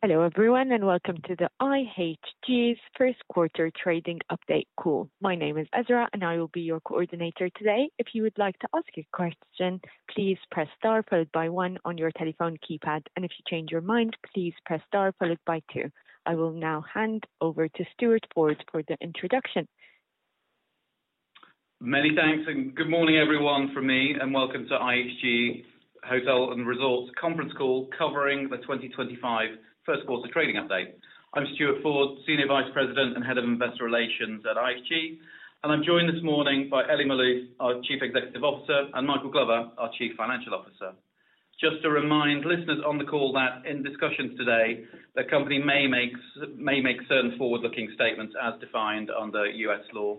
Hello everyone and welcome to the IHG's First Quarter Trading Update Call. My name is Ezra and I will be your coordinator today. If you would like to ask a question, please press star followed by one on your telephone keypad, and if you change your mind, please press star followed by two. I will now hand over to Stuart Ford for the introduction. Many thanks and good morning everyone from me and welcome to IHG Hotels & Resorts Conference Call covering the 2025 first quarter trading update. I'm Stuart Ford, Senior Vice President and Head of Investor Relations at IHG, and I'm joined this morning by Elie Maalouf, our Chief Executive Officer, and Michael Glover, our Chief Financial Officer. Just to remind listeners on the call that in discussions today, the company may make certain forward-looking statements as defined under U.S. law.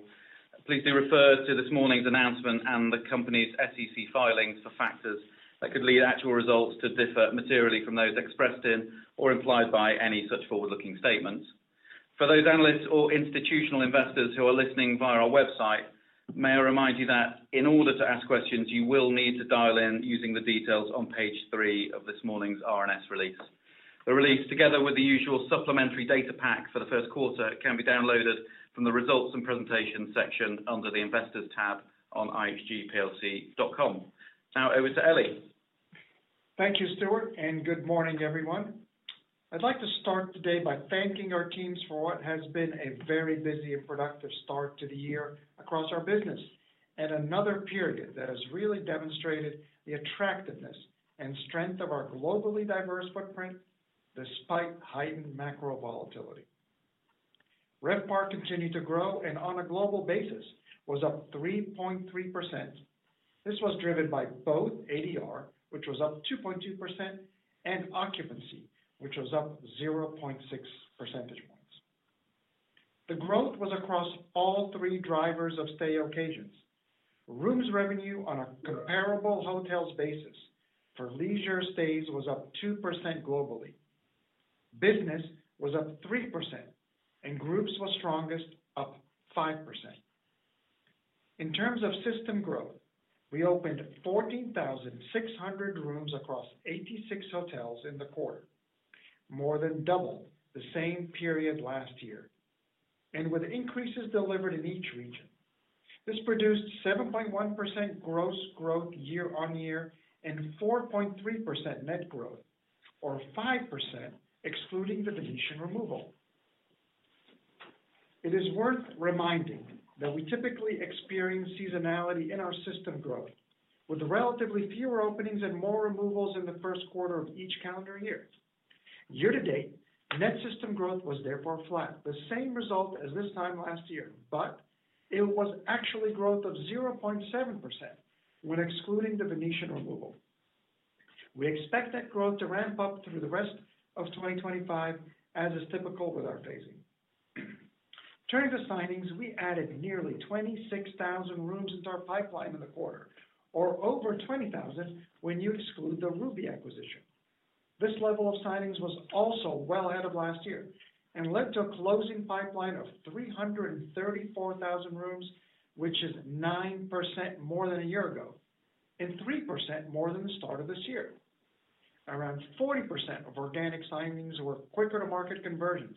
Please do refer to this morning's announcement and the company's SEC filings for factors that could lead actual results to differ materially from those expressed in or implied by any such forward-looking statements. For those analysts or institutional investors who are listening via our website, may I remind you that in order to ask questions, you will need to dial in using the details on page three of this morning's R&S release. The release, together with the usual supplementary data pack for the first quarter, can be downloaded from the results and presentation section under the investors tab on ihgplc.com. Now over to Elie. Thank you, Stuart, and good morning everyone. I'd like to start the day by thanking our teams for what has been a very busy and productive start to the year across our business and another period that has really demonstrated the attractiveness and strength of our globally diverse footprint despite heightened macro volatility. RevPAR continued to grow and on a global basis was up 3.3%. This was driven by both ADR, which was up 2.2%, and occupancy, which was up 0.6 percentage points. The growth was across all three drivers of stay occasions. Rooms revenue on a comparable hotels basis for leisure stays was up 2% globally. Business was up 3% and groups were strongest, up 5%. In terms of system growth, we opened 14,600 rooms across 86 hotels in the quarter, more than double the same period last year. With increases delivered in each region, this produced 7.1% gross growth year on year and 4.3% net growth, or 5% excluding the Venetian removal. It is worth reminding that we typically experience seasonality in our system growth with relatively fewer openings and more removals in the first quarter of each calendar year. Year to date, net system growth was therefore flat, the same result as this time last year, but it was actually growth of 0.7% when excluding the Venetian removal. We expect that growth to ramp up through the rest of 2025, as is typical with our phasing. Turning to signings, we added nearly 26,000 rooms into our pipeline in the quarter, or over 20,000 when you exclude the Ruby acquisition. This level of signings was also well ahead of last year and led to a closing pipeline of 334,000 rooms, which is 9% more than a year ago and 3% more than the start of this year. Around 40% of organic signings were quicker to market conversions,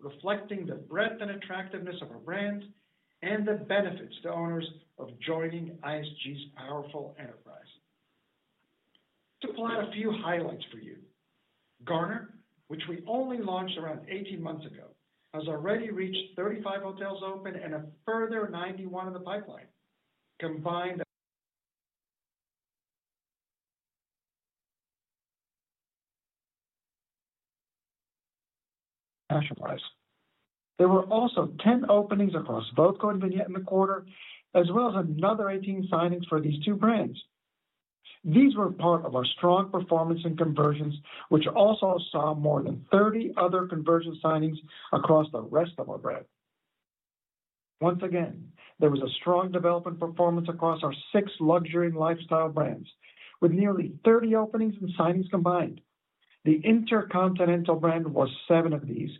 reflecting the breadth and attractiveness of our brands and the benefits to owners of joining IHG's powerful enterprise. To pull out a few highlights for you, Garner, which we only launched around 18 months ago, has already reached 35 hotels open and a further 91 in the pipeline. Combined, there were also 10 openings across both Vignette and Voco in the quarter, as well as another 18 signings for these two brands. These were part of our strong performance in conversions, which also saw more than 30 other conversion signings across the rest of our brand. Once again, there was a strong development performance across our six luxury and lifestyle brands, with nearly 30 openings and signings combined. The InterContinental brand was seven of these.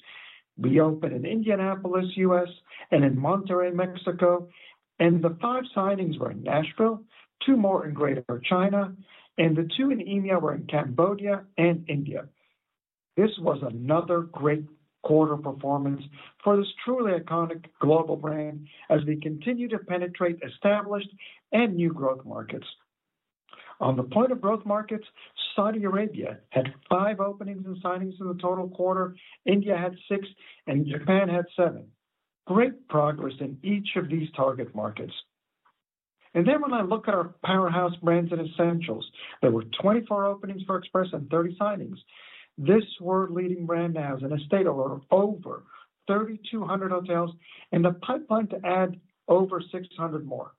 We opened in Indianapolis, US, and in Monterey, Mexico, and the five signings were in Nashville, two more in Greater China, and the two in EMEA were in Cambodia and India. This was another great quarter performance for this truly iconic global brand as we continue to penetrate established and new growth markets. On the point of growth markets, Saudi Arabia had five openings and signings in the total quarter, India had six, and Japan had seven. Great progress in each of these target markets. When I look at our powerhouse brands and essentials, there were 24 openings for Express and 30 signings. This world-leading brand now is an estate over 3,200 hotels and a pipeline to add over 600 more.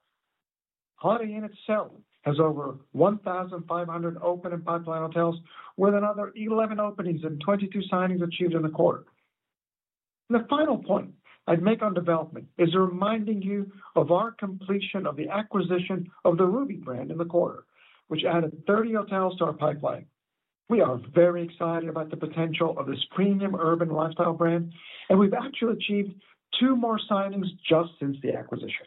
Holiday Inn itself has over 1,500 open and pipeline hotels, with another 11 openings and 22 signings achieved in the quarter. The final point I'd make on development is reminding you of our completion of the acquisition of the Ruby brand in the quarter, which added 30 hotels to our pipeline. We are very excited about the potential of this premium urban lifestyle brand, and we've actually achieved two more signings just since the acquisition.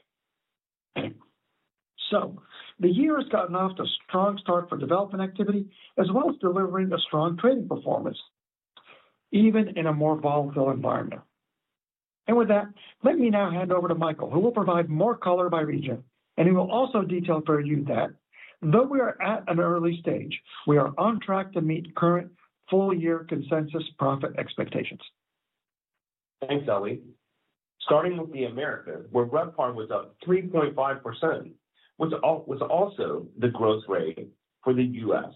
The year has gotten off to a strong start for development activity, as well as delivering a strong trading performance, even in a more volatile environment. Let me now hand over to Michael, who will provide more color by region, and he will also detail for you that though we are at an early stage, we are on track to meet current full-year consensus profit expectations. Thanks, Elie. Starting with the Americas, where RevPAR was up 3.5%, was also the growth rate for the US.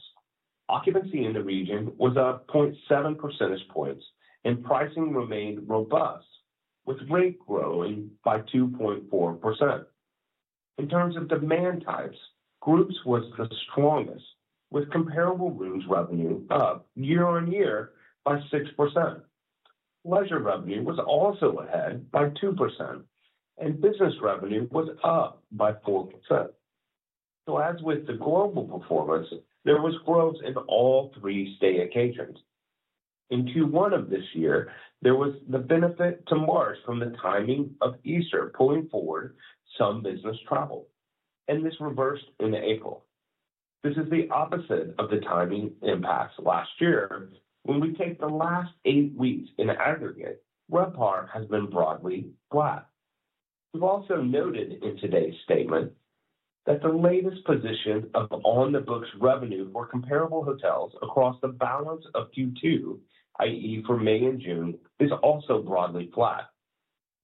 Occupancy in the region was up 0.7 percentage points, and pricing remained robust, with rate growing by 2.4%. In terms of demand types, groups was the strongest, with comparable rooms revenue up year on year by 6%. Leisure revenue was also ahead by 2%, and business revenue was up by 4%. As with the global performance, there was growth in all three stay occasions. In Q1 of this year, there was the benefit to March from the timing of Easter pulling forward some business travel, and this reversed in April. This is the opposite of the timing impacts last year. When we take the last eight weeks in aggregate, RevPAR has been broadly flat. We've also noted in today's statement that the latest position of on-the-books revenue for comparable hotels across the balance of Q2, i.e., for May and June, is also broadly flat.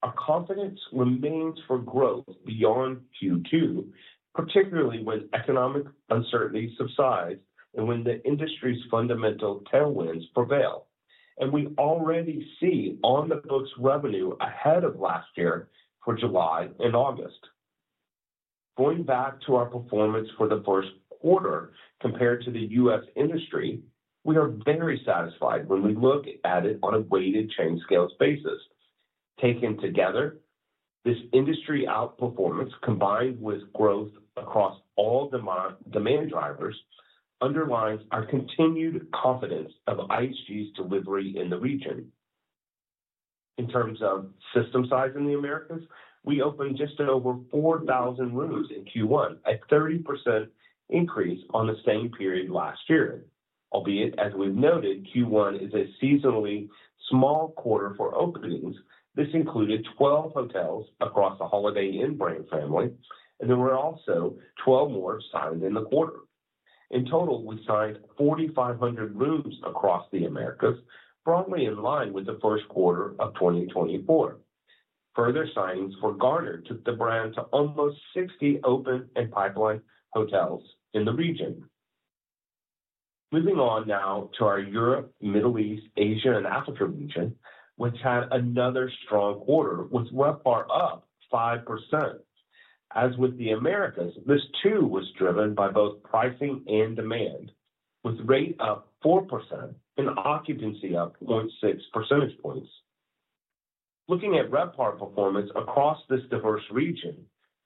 Our confidence remains for growth beyond Q2, particularly when economic uncertainty subsides and when the industry's fundamental tailwinds prevail. We already see on-the-books revenue ahead of last year for July and August. Going back to our performance for the first quarter compared to the U.S. industry, we are very satisfied when we look at it on a weighted chain scales basis. Taken together, this industry outperformance combined with growth across all demand drivers underlines our continued confidence of IHG's delivery in the region. In terms of system size in the Americas, we opened just over 4,000 rooms in Q1, a 30% increase on the same period last year. Albeit, as we've noted, Q1 is a seasonally small quarter for openings. This included 12 hotels across the Holiday Inn brand family, and there were also 12 more signed in the quarter. In total, we signed 4,500 rooms across the Americas, broadly in line with the first quarter of 2024. Further signings for Garner took the brand to almost 60 open and pipeline hotels in the region. Moving on now to our Europe, Middle East, Asia, and Africa region, which had another strong quarter with RevPAR up 5%. As with the Americas, this too was driven by both pricing and demand, with rate up 4% and occupancy up 0.6 percentage points. Looking at RevPAR performance across this diverse region,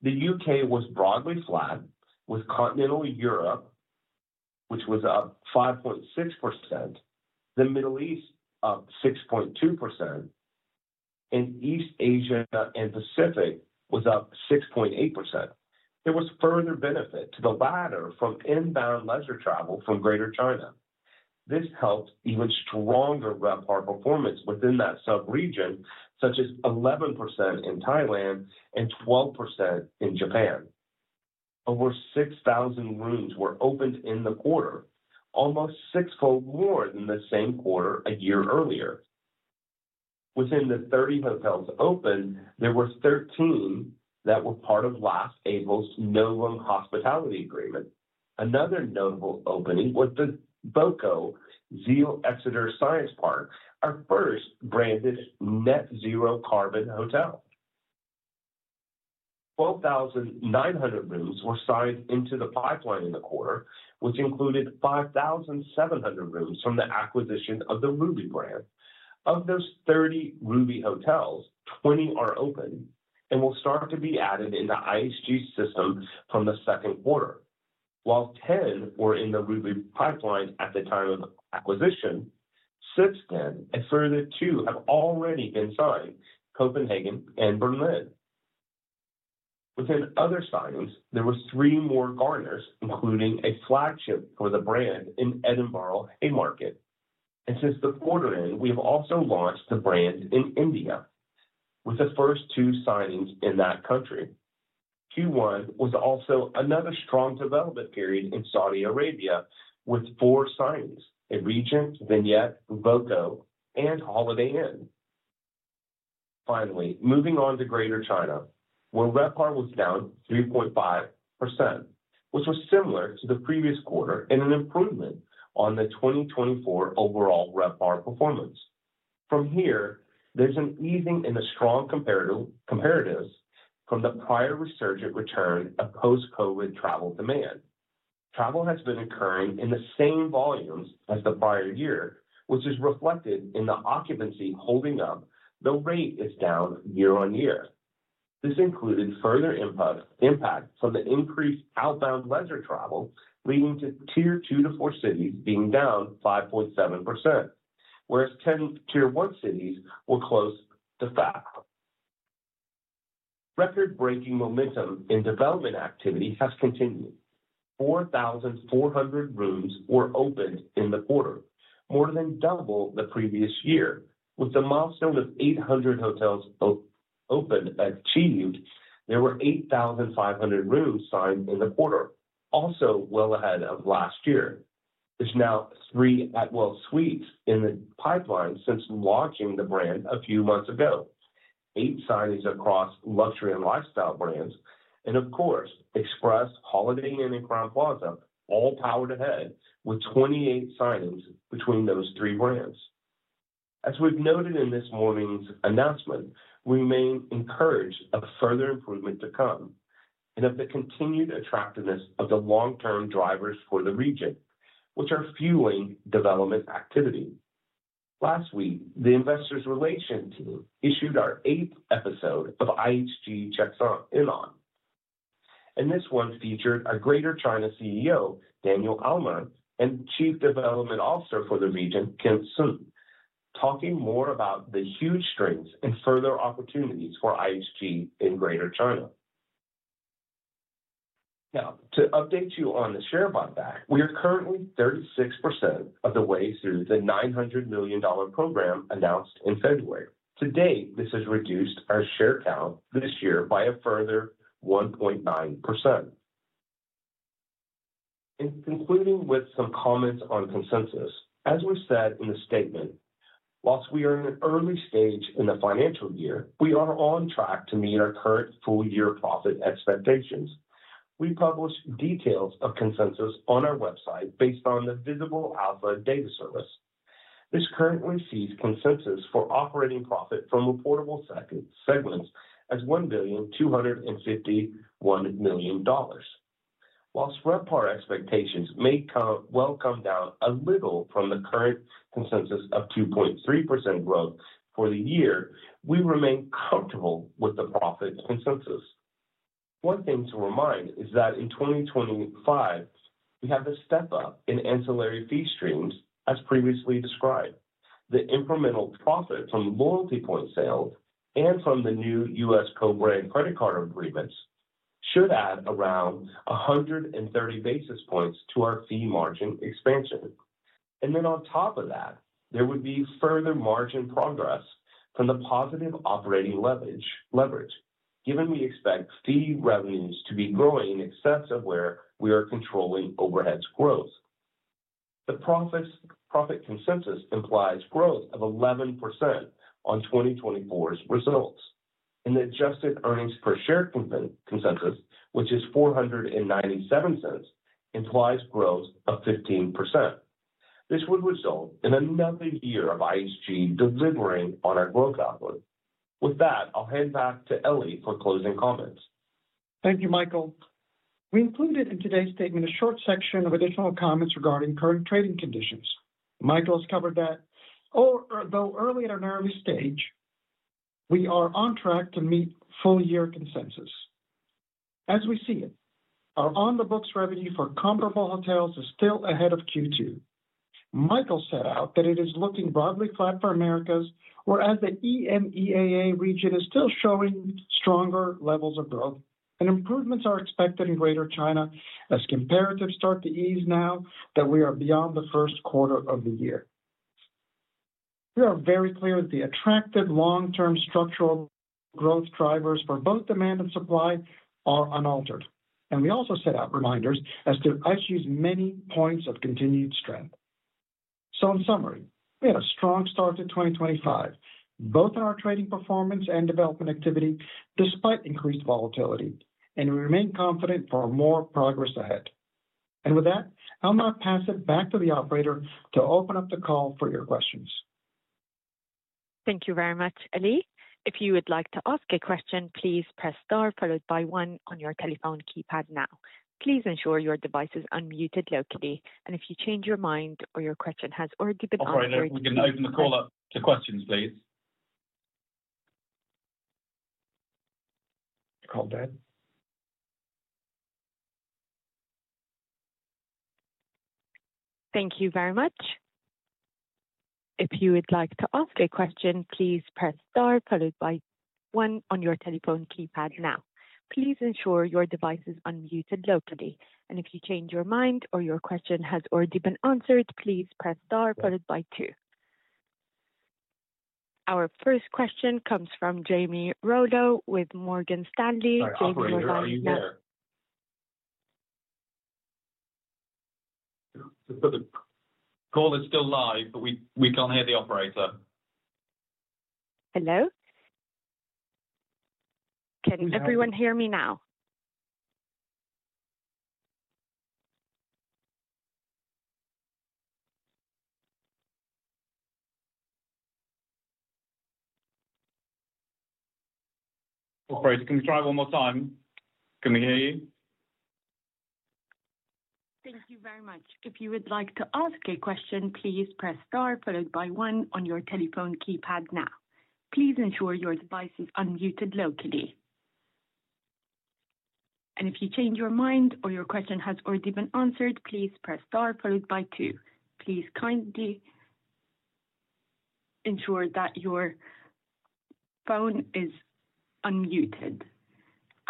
the U.K. was broadly flat, with continental Europe, which was up 5.6%, the Middle East up 6.2%, and East Asia and Pacific was up 6.8%. There was further benefit to the latter from inbound leisure travel from Greater China. This helped even stronger RevPAR performance within that sub-region, such as 11% in Thailand and 12% in Japan. Over 6,000 rooms were opened in the quarter, almost sixfold more than the same quarter a year earlier. Within the 30 hotels open, there were 13 that were part of last April's Novum Hospitality Agreement. Another notable opening was the voco Zeal Exeter Science Park, our first branded net-zero carbon hotel. 12,900 rooms were signed into the pipeline in the quarter, which included 5,700 rooms from the acquisition of the Ruby brand. Of those 30 Ruby hotels, 20 are open and will start to be added in the IHG system from the second quarter. While 10 were in the Ruby pipeline at the time of acquisition, 6 then and further two have already been signed, Copenhagen and Berlin. Within other signings, there were three more Garners, including a flagship for the brand in Edinburgh Haymarket. Since the quarter end, we have also launched the brand in India, with the first two signings in that country. Q1 was also another strong development period in Saudi Arabia, with four signings: a Regent, Vignette, voco, and Holiday Inn. Finally, moving on to Greater China, where RevPAR was down 3.5%, which was similar to the previous quarter and an improvement on the 2024 overall RevPAR performance. From here, there is an easing in the strong comparatives from the prior resurgent return of post-COVID travel demand. Travel has been occurring in the same volumes as the prior year, which is reflected in the occupancy holding up, though rate is down year on year. This included further impact from the increased outbound leisure travel, leading to Tier 2-4 cities being down 5.7%, whereas 10 Tier 1 cities were close to flat. Record-breaking momentum in development activity has continued. 4,400 rooms were opened in the quarter, more than double the previous year. With the milestone of 800 hotels open achieved, there were 8,500 rooms signed in the quarter, also well ahead of last year. There's now three Atwell Suites in the pipeline since launching the brand a few months ago, eight signings across luxury and lifestyle brands, and of course, Express, Holiday Inn, and Crowne Plaza, all powered ahead with 28 signings between those three brands. As we've noted in this morning's announcement, we remain encouraged of further improvement to come and of the continued attractiveness of the long-term drivers for the region, which are fueling development activity. Last week, the Investor Relations team issued our eighth episode of IHG Checks In On. This one featured our Greater China CEO, Daniel Alleman, and Chief Development Officer for the region, Kim Sun, talking more about the huge strengths and further opportunities for IHG in Greater China. Now, to update you on the share buyback, we are currently 36% of the way through the $900 million program announced in February. To date, this has reduced our share count this year by a further 1.9%. Concluding with some comments on consensus, as we said in the statement, whilst we are in an early stage in the financial year, we are on track to meet our current full-year profit expectations. We publish details of consensus on our website based on the Visible Alpha data service. This currently sees consensus for operating profit from reportable segments as $1,251 million. Whilst RevPAR expectations may well come down a little from the current consensus of 2.3% growth for the year, we remain comfortable with the profit consensus. One thing to remind is that in 2025, we have a step up in ancillary fee streams as previously described. The incremental profit from loyalty point sales and from the new U.S. co-brand credit card agreements should add around 130 basis points to our fee margin expansion. On top of that, there would be further margin progress from the positive operating leverage, given we expect fee revenues to be growing in excess of where we are controlling overhead growth. The profit consensus implies growth of 11% on 2024's results. The adjusted earnings per share consensus, which is $0.497, implies growth of 15%. This would result in another year of IHG delivering on our growth outlook. With that, I'll hand back to Elie for closing comments. Thank you, Michael. We included in today's statement a short section of additional comments regarding current trading conditions. Michael has covered that, although at an early stage, we are on track to meet full-year consensus. As we see it, our on-the-books revenue for comparable hotels is still ahead of Q2. Michael set out that it is looking broadly flat for Americas, whereas the EMEA region is still showing stronger levels of growth, and improvements are expected in Greater China as comparatives start to ease now that we are beyond the first quarter of the year. We are very clear that the attractive long-term structural growth drivers for both demand and supply are unaltered. We also set out reminders as to IHG's many points of continued strength. In summary, we had a strong start to 2025, both in our trading performance and development activity, despite increased volatility, and we remain confident for more progress ahead. With that, I'll now pass it back to the operator to open up the call for your questions. Thank you very much, Elie. If you would like to ask a question, please press star followed by one on your telephone keypad now. Please ensure your device is unmuted locally, and if you change your mind or your question has already been answered. All right, Elie, we're going to open the call up to questions, please. Call dead. Thank you very much. If you would like to ask a question, please press star followed by one on your telephone keypad now. Please ensure your device is unmuted locally, and if you change your mind or your question has already been answered, please press star followed by two. Our first question comes from Jamie Rollo with Morgan Stanley. Morgan Stanley, yes. The call is still live, but we can't hear the operator. Hello. Can everyone hear me now? All right, can we try one more time? Can we hear you? Thank you very much. If you would like to ask a question, please press star followed by one on your telephone keypad now. Please ensure your device is unmuted locally. If you change your mind or your question has already been answered, please press star followed by two. Please kindly ensure that your phone is unmuted.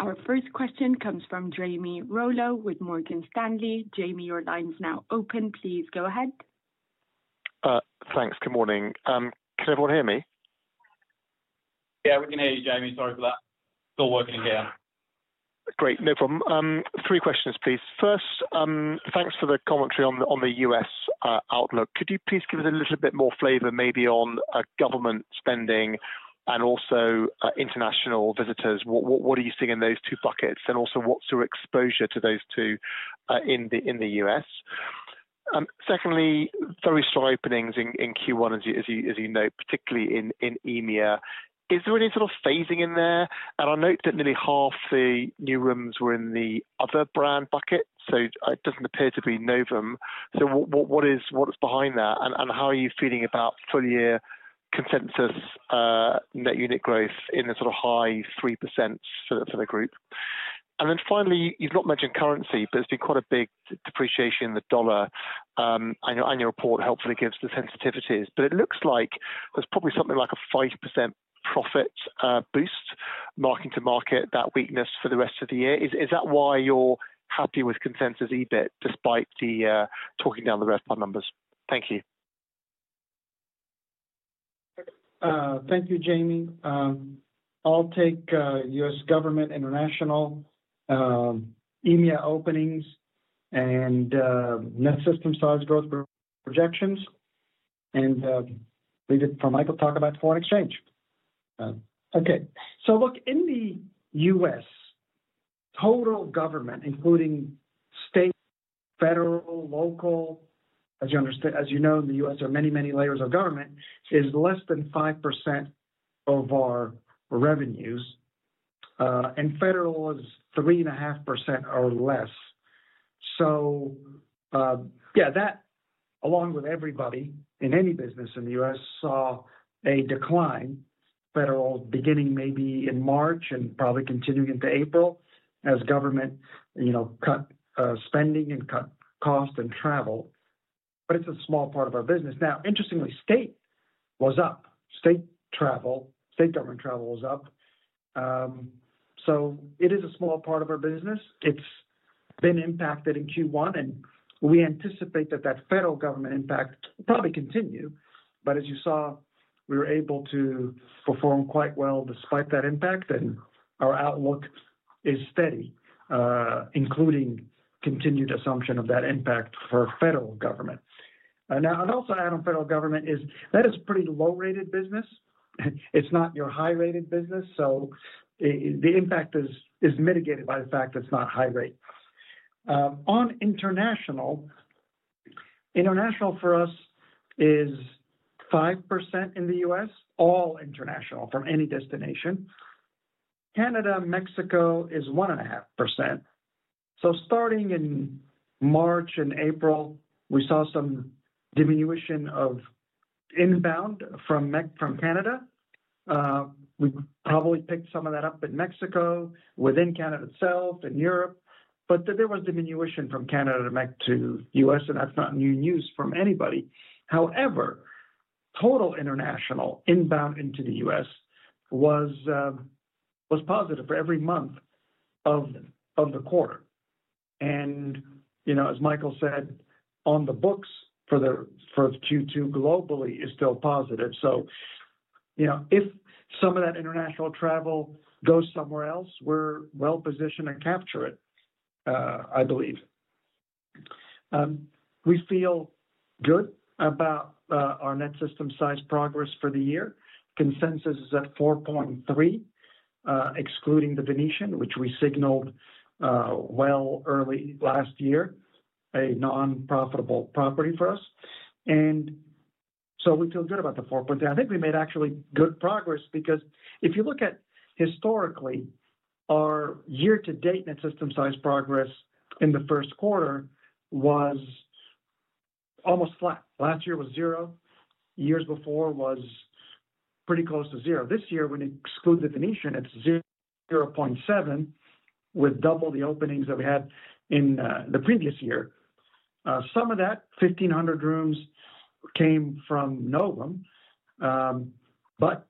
Our first question comes from Jamie Rollo with Morgan Stanley. Jamie, your line's now open. Please go ahead. Thanks. Good morning. Can everyone hear me? Yeah, we can hear you, Jamie. Sorry for that. Still working here. Great. No problem. Three questions, please. First, thanks for the commentary on the U.S. outlook. Could you please give us a little bit more flavor, maybe on government spending and also international visitors? What are you seeing in those two buckets? Also, what's your exposure to those two in the US? Secondly, very strong openings in Q1, as you note, particularly in EMEA. Is there any sort of phasing in there? I note that nearly half the new rooms were in the other brand bucket, so it does not appear to be Novum. What is behind that? How are you feeling about full-year consensus net unit growth in the sort of high 3% for the group? Finally, you have not mentioned currency, but it has been quite a big depreciation in the dollar. Your report hopefully gives the sensitivities, but it looks like there is probably something like a 5% profit boost, mark-to-market, that weakness for the rest of the year. Is that why you are happy with consensus EBIT despite talking down the RevPAR numbers? Thank you. Thank you, Jamie. I'll take U.S. government, international, EMEA openings, and net system-size growth projections, and leave it for Michael to talk about foreign exchange. Okay. In the US, total government, including state, federal, local, as you know, in the US, there are many, many layers of government, is less than 5% of our revenues, and federal is 3.5% or less. That, along with everybody in any business in the US, saw a decline, federal beginning maybe in March and probably continuing into April as government cut spending and cut costs and travel. It is a small part of our business. Interestingly, state was up. State government travel was up. It is a small part of our business. It's been impacted in Q1, and we anticipate that that federal government impact will probably continue. As you saw, we were able to perform quite well despite that impact, and our outlook is steady, including continued assumption of that impact for federal government. I'd also add on federal government, that is a pretty low-rated business. It's not your high-rated business, so the impact is mitigated by the fact that it's not high-rate. On international, international for us is 5% in the US, all international from any destination. Canada, Mexico is 1.5%. Starting in March and April, we saw some diminution of inbound from Canada. We probably picked some of that up in Mexico, within Canada itself, in Europe. There was diminution from Canada to Mexico to the US, and that's not new news from anybody. However, total international inbound into the U.S. was positive for every month of the quarter. As Michael said, on the books for Q2 globally is still positive. If some of that international travel goes somewhere else, we're well-positioned to capture it, I believe. We feel good about our net system-size progress for the year. Consensus is at 4.3%, excluding the Venetian, which we signaled well early last year, a non-profitable property for us. We feel good about the 4.3%. I think we made actually good progress because if you look at historically, our year-to-date net system-size progress in the first quarter was almost flat. Last year was zero. Years before was pretty close to zero. This year, when you exclude the Venetian, it's 0.7%, with double the openings that we had in the previous year. Some of that, 1,500 rooms, came from Novum.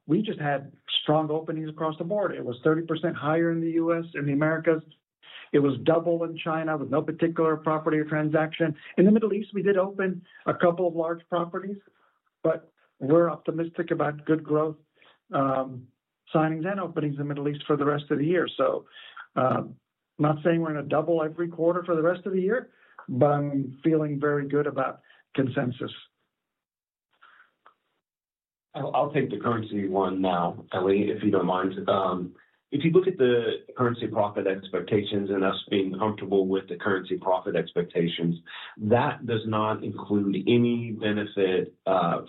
We just had strong openings across the board. It was 30% higher in the U.S. and the Americas. It was double in China with no particular property or transaction. In the Middle East, we did open a couple of large properties, but we're optimistic about good growth, signings, and openings in the Middle East for the rest of the year. I'm not saying we're going to double every quarter for the rest of the year, but I'm feeling very good about consensus. I'll take the currency one now, Elie, if you don't mind. If you look at the currency profit expectations and us being comfortable with the currency profit expectations, that does not include any benefit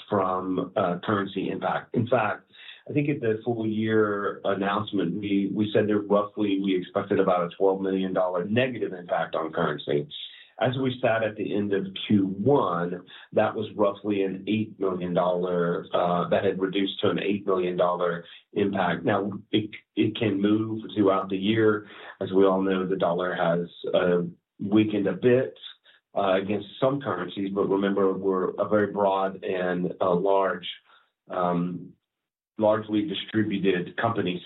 from currency impact. In fact, I think at the full-year announcement, we said roughly we expected about a $12 million negative impact on currency. As we sat at the end of Q1, that was roughly an $8 million that had reduced to an $8 million impact. Now, it can move throughout the year. As we all know, the dollar has weakened a bit against some currencies, but remember, we're a very broad and largely distributed company.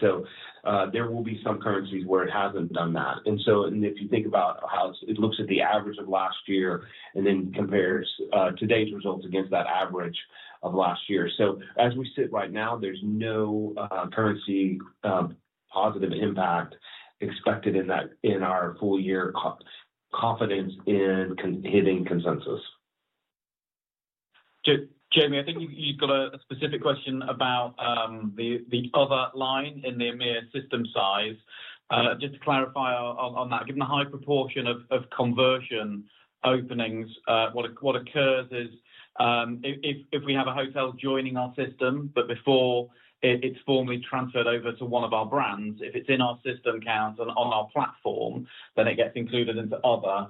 There will be some currencies where it hasn't done that. If you think about how it looks at the average of last year and then compares today's results against that average of last year. As we sit right now, there's no currency positive impact expected in our full-year confidence in hitting consensus. Jamie, I think you've got a specific question about the other line in the EMEA system size. Just to clarify on that, given the high proportion of conversion openings, what occurs is if we have a hotel joining our system, but before it's formally transferred over to one of our brands, if it's in our system account and on our platform, then it gets included into other.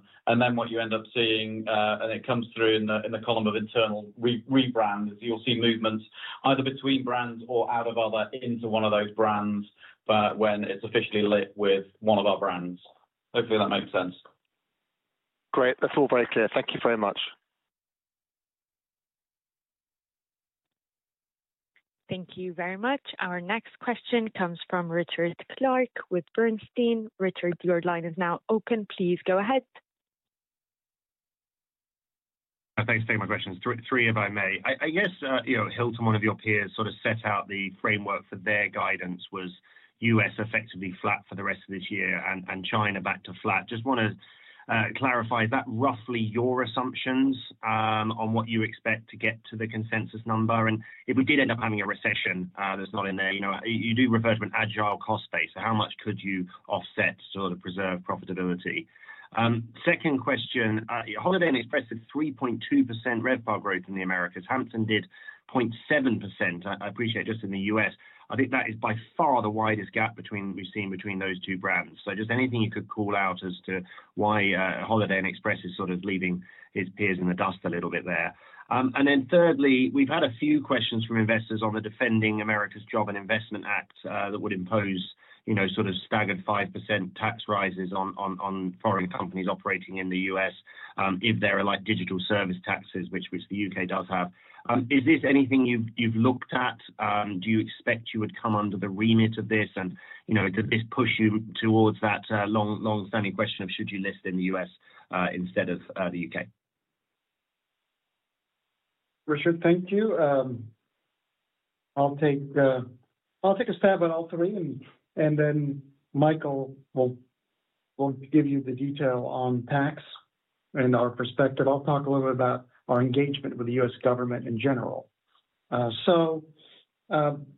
What you end up seeing, and it comes through in the column of internal rebrand, is you'll see movements either between brands or out of other into one of those brands when it's officially lit with one of our brands. Hopefully, that makes sense. Great. That's all very clear. Thank you very much. Thank you very much. Our next question comes from Richard Clarke with Bernstein. Richard, your line is now open. Please go ahead. Thanks for taking my questions. Three if I may. I guess Hilton, one of your peers, sort of set out the framework for their guidance was U.S. effectively flat for the rest of this year and China back to flat. Just want to clarify is that roughly your assumptions on what you expect to get to the consensus number? If we did end up having a recession, that's not in there. You do refer to an agile cost base. How much could you offset to sort of preserve profitability? Second question, Holiday Inn Express had 3.2% RevPAR growth in the Americas. Hampton did 0.7%. I appreciate just in the US. I think that is by far the widest gap we've seen between those two brands. Just anything you could call out as to why Holiday Inn Express is sort of leaving its peers in the dust a little bit there. Thirdly, we've had a few questions from investors on the Defending America's Job and Investment Act that would impose sort of staggered 5% tax rises on foreign companies operating in the U.S., if there are digital service taxes, which the U.K. does have. Is this anything you've looked at? Do you expect you would come under the remit of this? Does this push you towards that long-standing question of should you list in the U.S. instead of the U.K.? Richard, thank you. I'll take a stab at all three, and then Michael will give you the detail on tax and our perspective. I'll talk a little bit about our engagement with the U.S. government in general. I am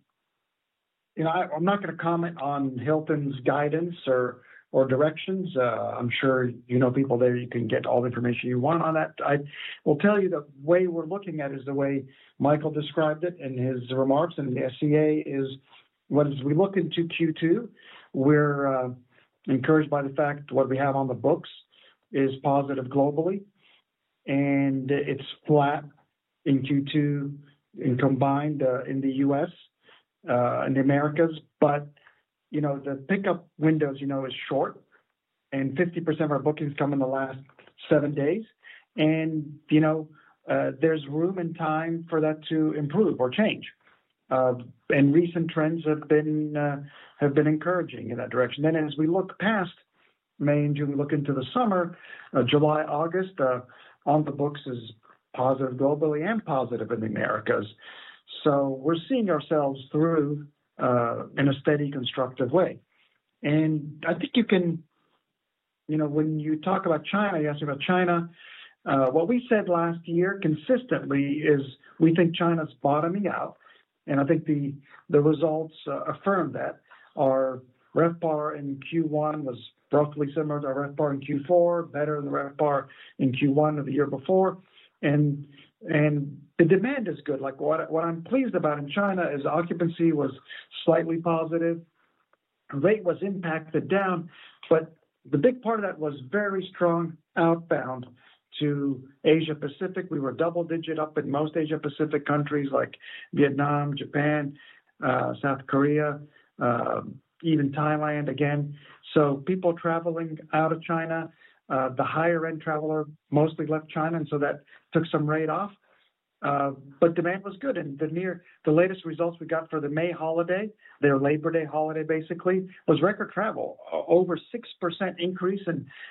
not going to comment on Hilton's guidance or directions. I'm sure you know people there. You can get all the information you want on that. I will tell you the way we're looking at it is the way Michael described it in his remarks and the SEA is, as we look into Q2, we're encouraged by the fact what we have on the books is positive globally, and it's flat in Q2 combined in the U.S. and the Americas. The pickup window is short, and 50% of our bookings come in the last seven days. There is room and time for that to improve or change. Recent trends have been encouraging in that direction. As we look past May and June, we look into the summer, July, August, on the books is positive globally and positive in the Americas. We are seeing ourselves through in a steady, constructive way. I think you can, when you talk about China, you asked me about China. What we said last year consistently is we think China is bottoming out. I think the results affirm that. Our RevPAR in Q1 was roughly similar to our RevPAR in Q4, better than the RevPAR in Q1 of the year before. The demand is good. What I am pleased about in China is occupancy was slightly positive. Rate was impacted down, but the big part of that was very strong outbound to Asia-Pacific. We were double-digit up in most Asia-Pacific countries like Vietnam, Japan, South Korea, even Thailand again. People traveling out of China, the higher-end traveler mostly left China, and that took some rate off. Demand was good. The latest results we got for the May holiday, their Labor Day holiday basically, was record travel, over 6% increase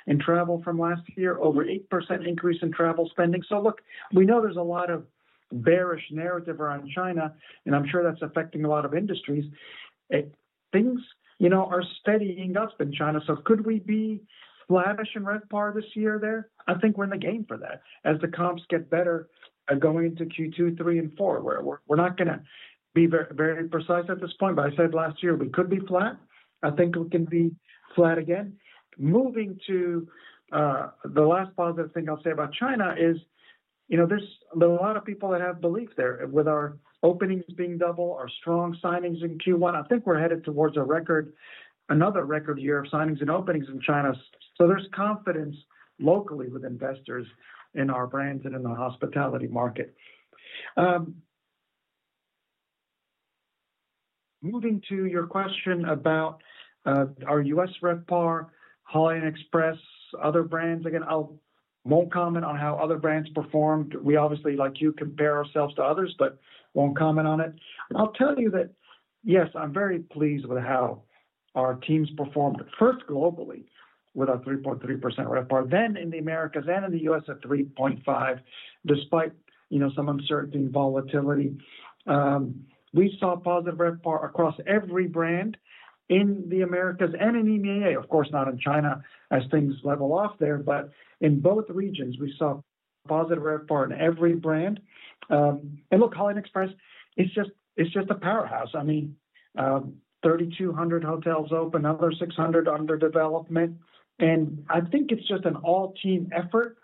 in travel from last year, over 8% increase in travel spending. Look, we know there is a lot of bearish narrative around China, and I am sure that is affecting a lot of industries. Things are steadying up in China. Could we be lavish in RevPAR this year there? I think we are in the game for that as the comps get better going into Q2, 3, and 4. We are not going to be very precise at this point, but I said last year we could be flat. I think we can be flat again. Moving to the last positive thing I'll say about China is there's a lot of people that have belief there with our openings being double, our strong signings in Q1. I think we're headed towards another record year of signings and openings in China. So there's confidence locally with investors in our brands and in the hospitality market. Moving to your question about our U.S. RevPAR, Holiday Inn Express, other brands. Again, I won't comment on how other brands performed. We obviously, like you, compare ourselves to others, but won't comment on it. I'll tell you that, yes, I'm very pleased with how our teams performed. First, globally with our 3.3% RevPAR, then in the Americas and in the U.S.. at 3.5% despite some uncertainty and volatility. We saw positive RevPAR across every brand in the Americas and in EMEA. Of course, not in China as things level off there, but in both regions, we saw positive RevPAR in every brand. Look, Holiday Inn Express, it's just a powerhouse. I mean, 3,200 hotels open, another 600 under development. I think it's just an all-team effort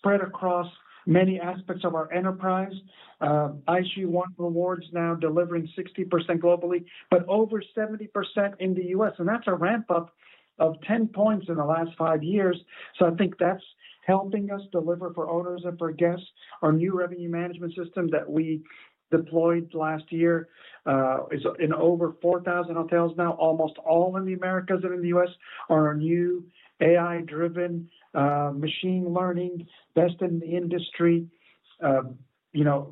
spread across many aspects of our enterprise. ISUE won awards now, delivering 60% globally, but over 70% in the U.S. That's a ramp-up of 10 percentage points in the last five years. I think that's helping us deliver for owners and for guests. Our new revenue management system that we deployed last year is in over 4,000 hotels now, almost all in the Americas and in the U.S., on our new AI-driven machine learning, best in the industry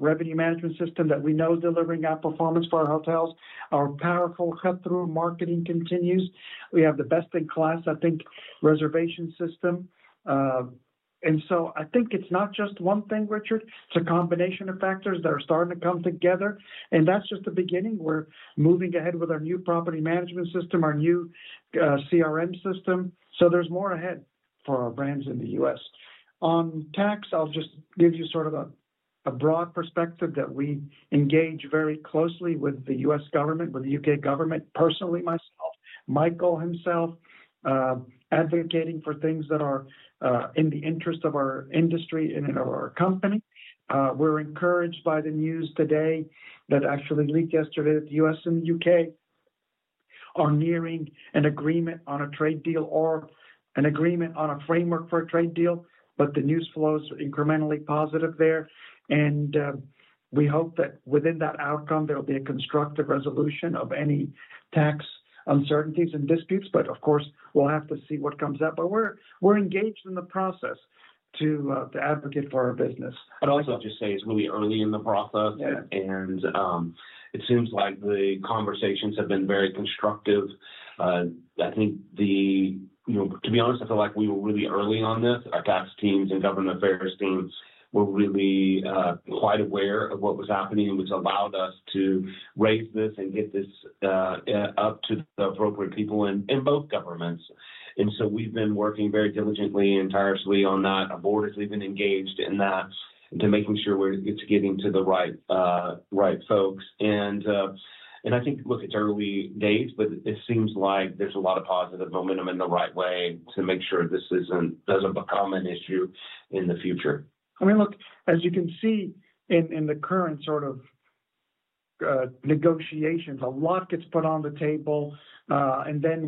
revenue management system that we know is delivering outperformance for our hotels. Our powerful cut-through marketing continues. We have the best-in-class, I think, reservation system. I think it's not just one thing, Richard. It's a combination of factors that are starting to come together. That's just the beginning. We're moving ahead with our new property management system, our new CRM system. There's more ahead for our brands in the U.S. On tax, I'll just give you sort of a broad perspective that we engage very closely with the U.S. government, with the U.K. government, personally myself, Michael himself, advocating for things that are in the interest of our industry and of our company. We're encouraged by the news today that actually leaked yesterday that the U.S. and the U.K. are nearing an agreement on a trade deal or an agreement on a framework for a trade deal. The news flows are incrementally positive there. We hope that within that outcome, there will be a constructive resolution of any tax uncertainties and disputes. Of course, we'll have to see what comes up. We're engaged in the process to advocate for our business. I'd also just say it's really early in the process. It seems like the conversations have been very constructive. I think, to be honest, I feel like we were really early on this. Our tax teams and government affairs teams were really quite aware of what was happening, which allowed us to raise this and get this up to the appropriate people in both governments. We've been working very diligently and tirelessly on that. Our board has even engaged in that to making sure it's getting to the right folks. I think, look, it's early days, but it seems like there's a lot of positive momentum in the right way to make sure this doesn't become an issue in the future. I mean, look, as you can see in the current sort of negotiations, a lot gets put on the table.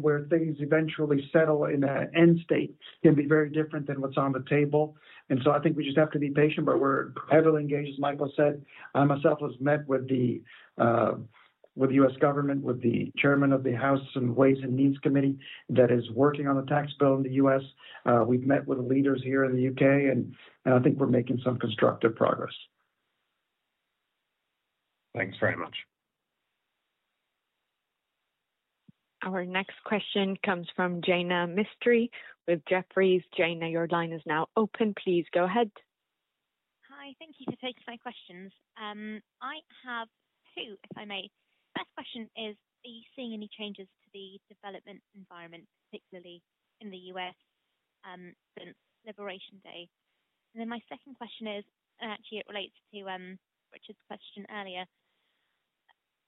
Where things eventually settle in an end state can be very different than what's on the table. I think we just have to be patient, but we're heavily engaged, as Michael said. I myself have met with the U.S. government, with the Chairman of the House Ways and Means Committee that is working on the tax bill in the U.S. We've met with the leaders here in the U.K., and I think we're making some constructive progress. Thanks very much. Our next question comes from Jaina Mistry with Jefferies. Jaina, your line is now open. Please go ahead. Hi. Thank you for taking my questions. I have two, if I may. First question is, are you seeing any changes to the development environment, particularly in the U.S. since Liberation Day? My second question is, and actually it relates to Richard's question earlier,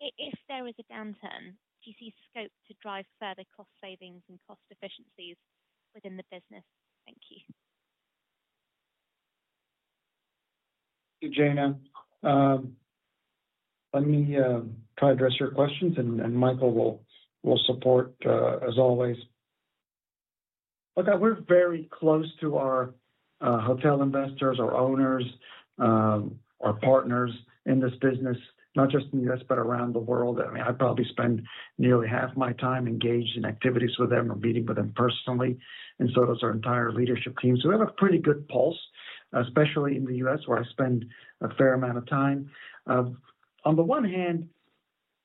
if there is a downturn, do you see scope to drive further cost savings and cost efficiencies within the business? Thank you. Jaina, let me try to address your questions, and Michael will support as always. Look, we're very close to our hotel investors, our owners, our partners in this business, not just in the U.S., but around the world. I mean, I probably spend nearly half my time engaged in activities with them or meeting with them personally. And so does our entire leadership team. We have a pretty good pulse, especially in the U.S., where I spend a fair amount of time. On the one hand,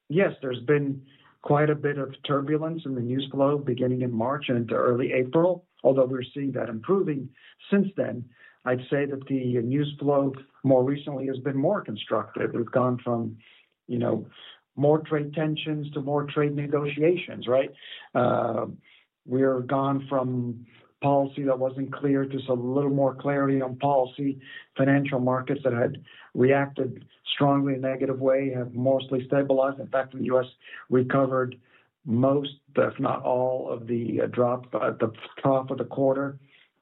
yes, there's been quite a bit of turbulence in the news flow beginning in March and into early April, although we're seeing that improving since then. I'd say that the news flow more recently has been more constructive. We've gone from more trade tensions to more trade negotiations, right? We've gone from policy that wasn't clear to a little more clarity on policy. Financial markets that had reacted strongly in a negative way have mostly stabilized. In fact, the U.S. recovered most, if not all, of the drop at the top of the quarter.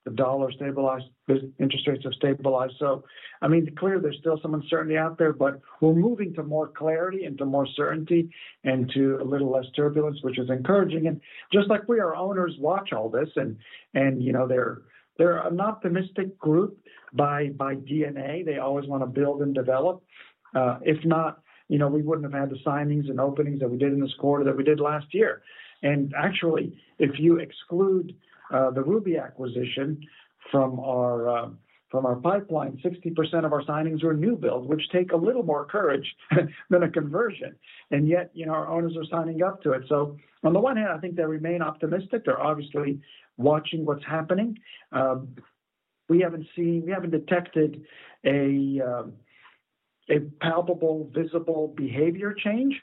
The dollar stabilized. Interest rates have stabilized. I mean, clearly there is still some uncertainty out there, but we are moving to more clarity and to more certainty and to a little less turbulence, which is encouraging. Just like we are, owners watch all this. They are an optimistic group by DNA. They always want to build and develop. If not, we would not have had the signings and openings that we did in this quarter that we did last year. Actually, if you exclude the Ruby acquisition from our pipeline, 60% of our signings were new builds, which take a little more courage than a conversion. Yet our owners are signing up to it. On the one hand, I think they remain optimistic. They're obviously watching what's happening. We haven't detected a palpable, visible behavior change,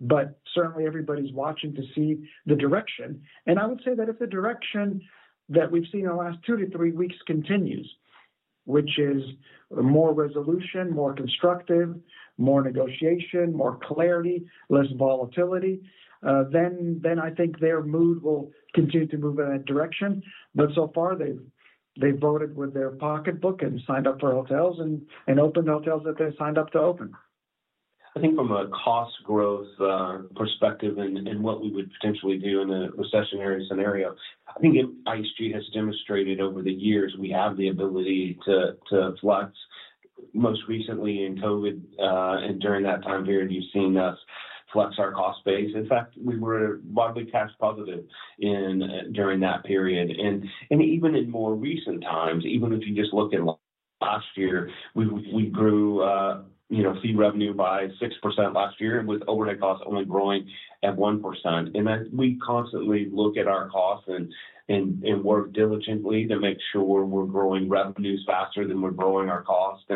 but certainly everybody's watching to see the direction. I would say that if the direction that we've seen in the last two to three weeks continues, which is more resolution, more constructive, more negotiation, more clarity, less volatility, then I think their mood will continue to move in that direction. So far, they've voted with their pocketbook and signed up for hotels and opened hotels that they signed up to open. I think from a cost growth perspective and what we would potentially do in a recessionary scenario, I think IHG has demonstrated over the years we have the ability to flex. Most recently in COVID and during that time period, you've seen us flex our cost base. In fact, we were widely cash positive during that period. Even in more recent times, even if you just look at last year, we grew fee revenue by 6% last year with overhead costs only growing at 1%. We constantly look at our costs and work diligently to make sure we're growing revenues faster than we're growing our costs.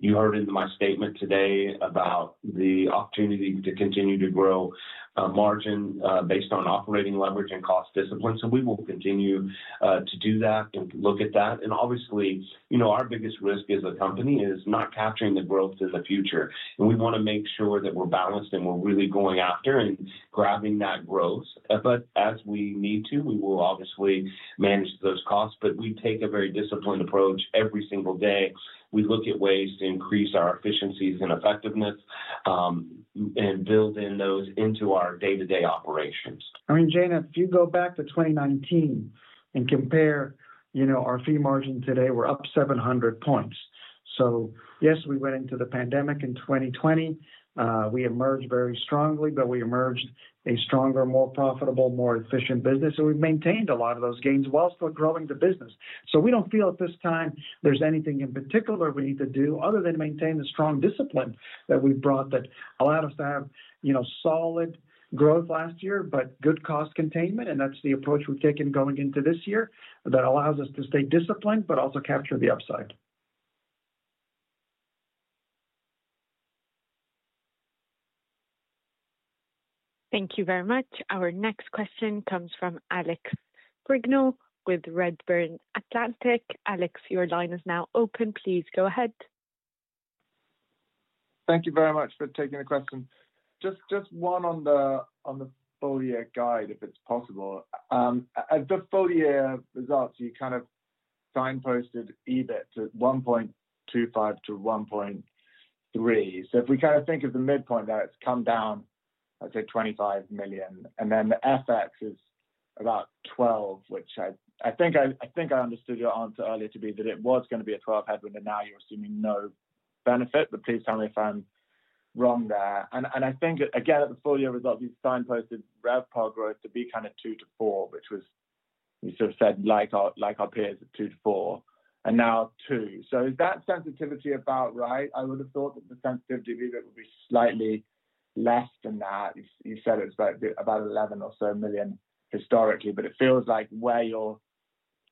You heard in my statement today about the opportunity to continue to grow margin based on operating leverage and cost discipline. We will continue to do that and look at that. Obviously, our biggest risk as a company is not capturing the growth in the future. We want to make sure that we're balanced and we're really going after and grabbing that growth. As we need to, we will obviously manage those costs. We take a very disciplined approach every single day. We look at ways to increase our efficiencies and effectiveness and build those into our day-to-day operations. I mean, Jaina, if you go back to 2019 and compare our fee margin today, we're up 700 basis points. Yes, we went into the pandemic in 2020. We emerged very strongly, but we emerged a stronger, more profitable, more efficient business. We've maintained a lot of those gains while still growing the business. We do not feel at this time there is anything in particular we need to do other than maintain the strong discipline that we have brought that allowed us to have solid growth last year, but good cost containment. That is the approach we have taken going into this year that allows us to stay disciplined, but also capture the upside. Thank you very much. Our next question comes from Alex Brignall with Redburn Atlantic. Alex, your line is now open. Please go ahead. Thank you very much for taking the question. Just one on the full year guide, if it's possible. At the full year results, you kind of signposted EBIT at $1.25 billion-$1.3 billion. If we kind of think of the midpoint there, it's come down, I'd say, $25 million. The FX is about $12 million, which I think I understood your answer earlier to be that it was going to be a $12 million headwind, and now you're assuming no benefit. Please tell me if I'm wrong there. I think, again, at the full year results, you signposted RevPAR growth to be kind of 2%-4%, which was, you sort of said, like our peers, 2%-4%, and now 2%. Is that sensitivity about right? I would have thought that the sensitivity of EBIT would be slightly less than that. You said it was about 11 or so million historically, but it feels like where you're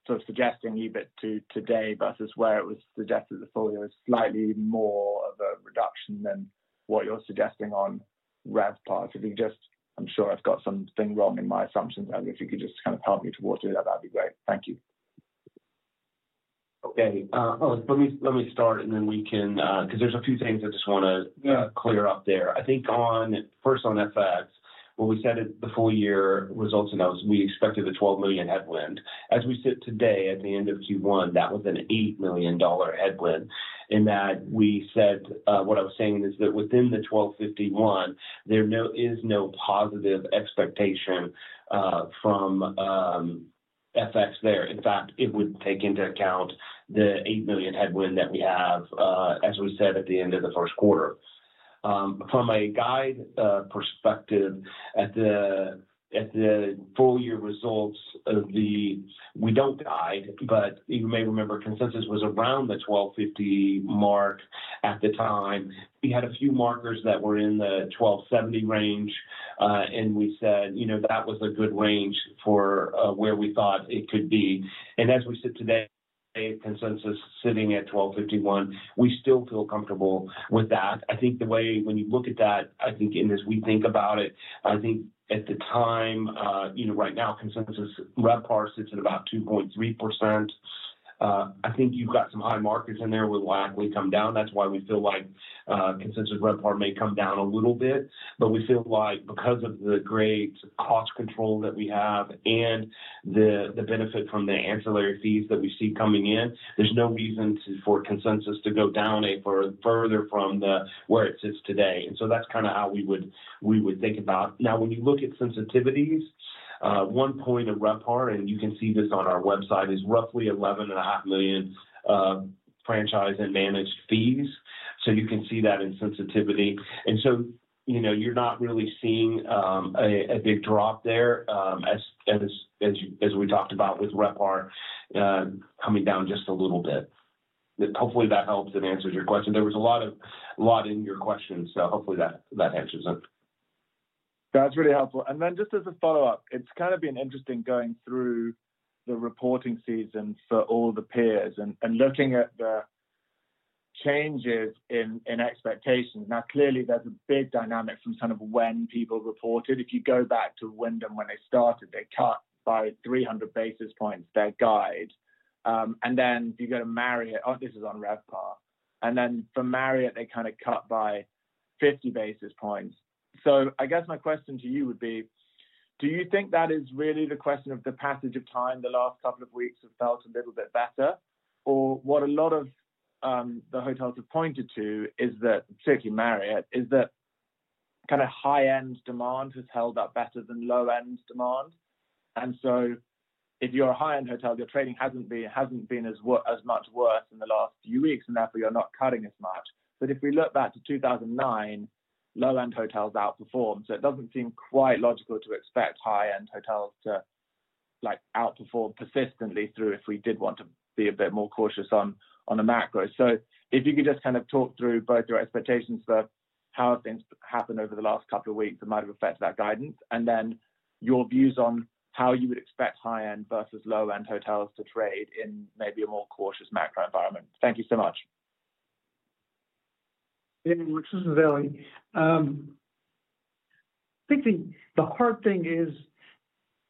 sort of suggesting EBIT to today versus where it was suggested at the full year is slightly more of a reduction than what you're suggesting on RevPAR. If you could just, I'm sure I've got something wrong in my assumptions. If you could just kind of help me to water that, that'd be great. Thank you. Okay. Let me start, and then we can, because there's a few things I just want to clear up there. I think first on FX, what we said at the full year results and that was we expected a $12 million headwind. As we sit today at the end of Q1, that was an $8 million headwind. And that we said, what I was saying is that within the 1251, there is no positive expectation from FX there. In fact, it would take into account the $8 million headwind that we have, as we said at the end of the first quarter. From a guide perspective, at the full year results of the, we don't guide, but you may remember consensus was around the 1250 mark at the time. We had a few markers that were in the 1,270 range, and we said that was a good range for where we thought it could be. As we sit today, consensus sitting at 1,251, we still feel comfortable with that. I think the way when you look at that, I think as we think about it, I think at the time, right now, consensus RevPAR sits at about 2.3%. I think you've got some high markers in there that will likely come down. That is why we feel like consensus RevPAR may come down a little bit. We feel like because of the great cost control that we have and the benefit from the ancillary fees that we see coming in, there is no reason for consensus to go down any further from where it sits today. That is kind of how we would think about it. Now, when you look at sensitivities, one point of RevPAR, and you can see this on our website, is roughly $11.5 million franchise and managed fees. You can see that in sensitivity. You are not really seeing a big drop there as we talked about with RevPAR coming down just a little bit. Hopefully, that helps and answers your question. There was a lot in your question, so hopefully that answers it. That's really helpful. Just as a follow-up, it's kind of been interesting going through the reporting season for all the peers and looking at the changes in expectations. Clearly, there's a big dynamic from kind of when people reported. If you go back to Wyndham when they started, they cut by 300 basis points, their guide. You go to Marriott, this is on RevPAR. For Marriott, they kind of cut by 50 basis points. I guess my question to you would be, do you think that is really the question of the passage of time, the last couple of weeks have felt a little bit better? What a lot of the hotels have pointed to is that, particularly Marriott, is that kind of high-end demand has held up better than low-end demand. If you're a high-end hotel, your trading hasn't been as much worse in the last few weeks, and therefore you're not cutting as much. If we look back to 2009, low-end hotels outperformed. It doesn't seem quite logical to expect high-end hotels to outperform persistently through if we did want to be a bit more cautious on the macro. If you could just kind of talk through both your expectations for how things happened over the last couple of weeks that might have affected that guidance, and then your views on how you would expect high-end versus low-end hotels to trade in maybe a more cautious macro environment. Thank you so much. Yeah, Richard, it's very interesting. I think the hard thing is,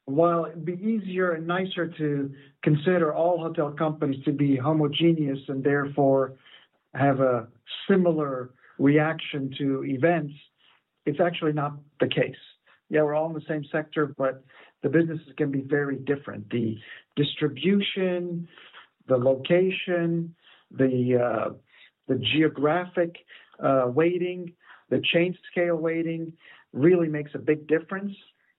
while it'd be easier and nicer to consider all hotel companies to be homogeneous and therefore have a similar reaction to events, it's actually not the case. Yeah, we're all in the same sector, but the businesses can be very different. The distribution, the location, the geographic weighting, the chain scale weighting really makes a big difference.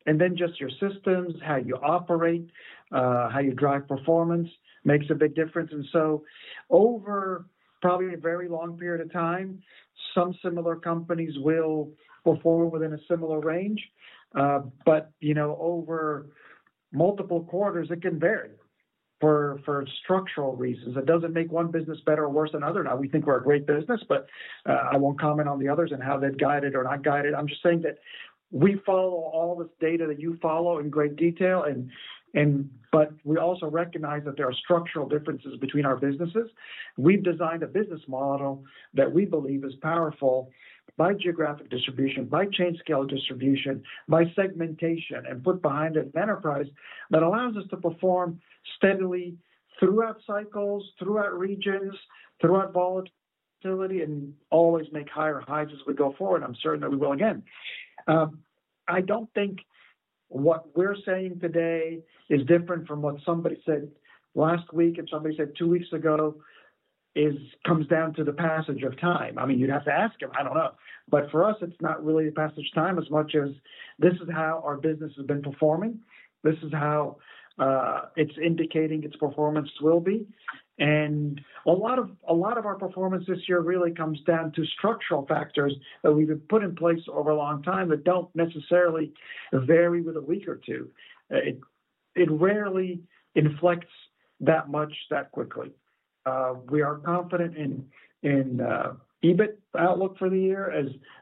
And then just your systems, how you operate, how you drive performance makes a big difference. Over probably a very long period of time, some similar companies will perform within a similar range. Over multiple quarters, it can vary for structural reasons. It doesn't make one business better or worse than another. Now, we think we're a great business, but I won't comment on the others and how they've guided or not guided. I'm just saying that we follow all this data that you follow in great detail. We also recognize that there are structural differences between our businesses. We've designed a business model that we believe is powerful by geographic distribution, by chain scale distribution, by segmentation, and put behind it an enterprise that allows us to perform steadily throughout cycles, throughout regions, throughout volatility, and always make higher highs as we go forward. I'm certain that we will again. I don't think what we're saying today is different from what somebody said last week and somebody said two weeks ago. It comes down to the passage of time. I mean, you'd have to ask them. I don't know. For us, it's not really the passage of time as much as this is how our business has been performing. This is how it's indicating its performance will be. A lot of our performance this year really comes down to structural factors that we have put in place over a long time that do not necessarily vary with a week or two. It rarely inflects that much that quickly. We are confident in EBIT outlook for the year.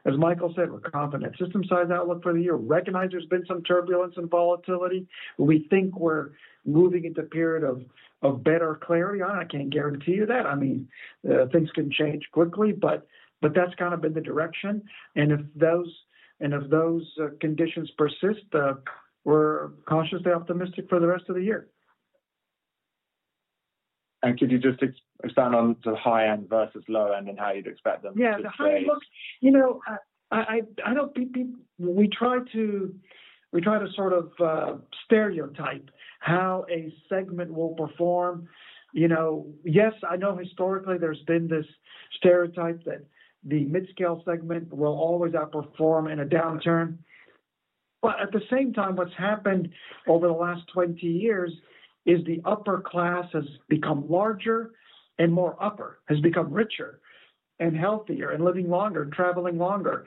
As Michael said, we are confident in system size outlook for the year. Recognize there has been some turbulence and volatility. We think we are moving into a period of better clarity. I cannot guarantee you that. I mean, things can change quickly, but that has kind of been the direction. If those conditions persist, we are cautiously optimistic for the rest of the year. Could you just expand on the high-end versus low-end and how you'd expect them to change? Yeah, the high-end looks, you know, I don't think we try to sort of stereotype how a segment will perform. Yes, I know historically there's been this stereotype that the mid-scale segment will always outperform in a downturn. At the same time, what's happened over the last 20 years is the upper class has become larger and more upper, has become richer and healthier and living longer and traveling longer.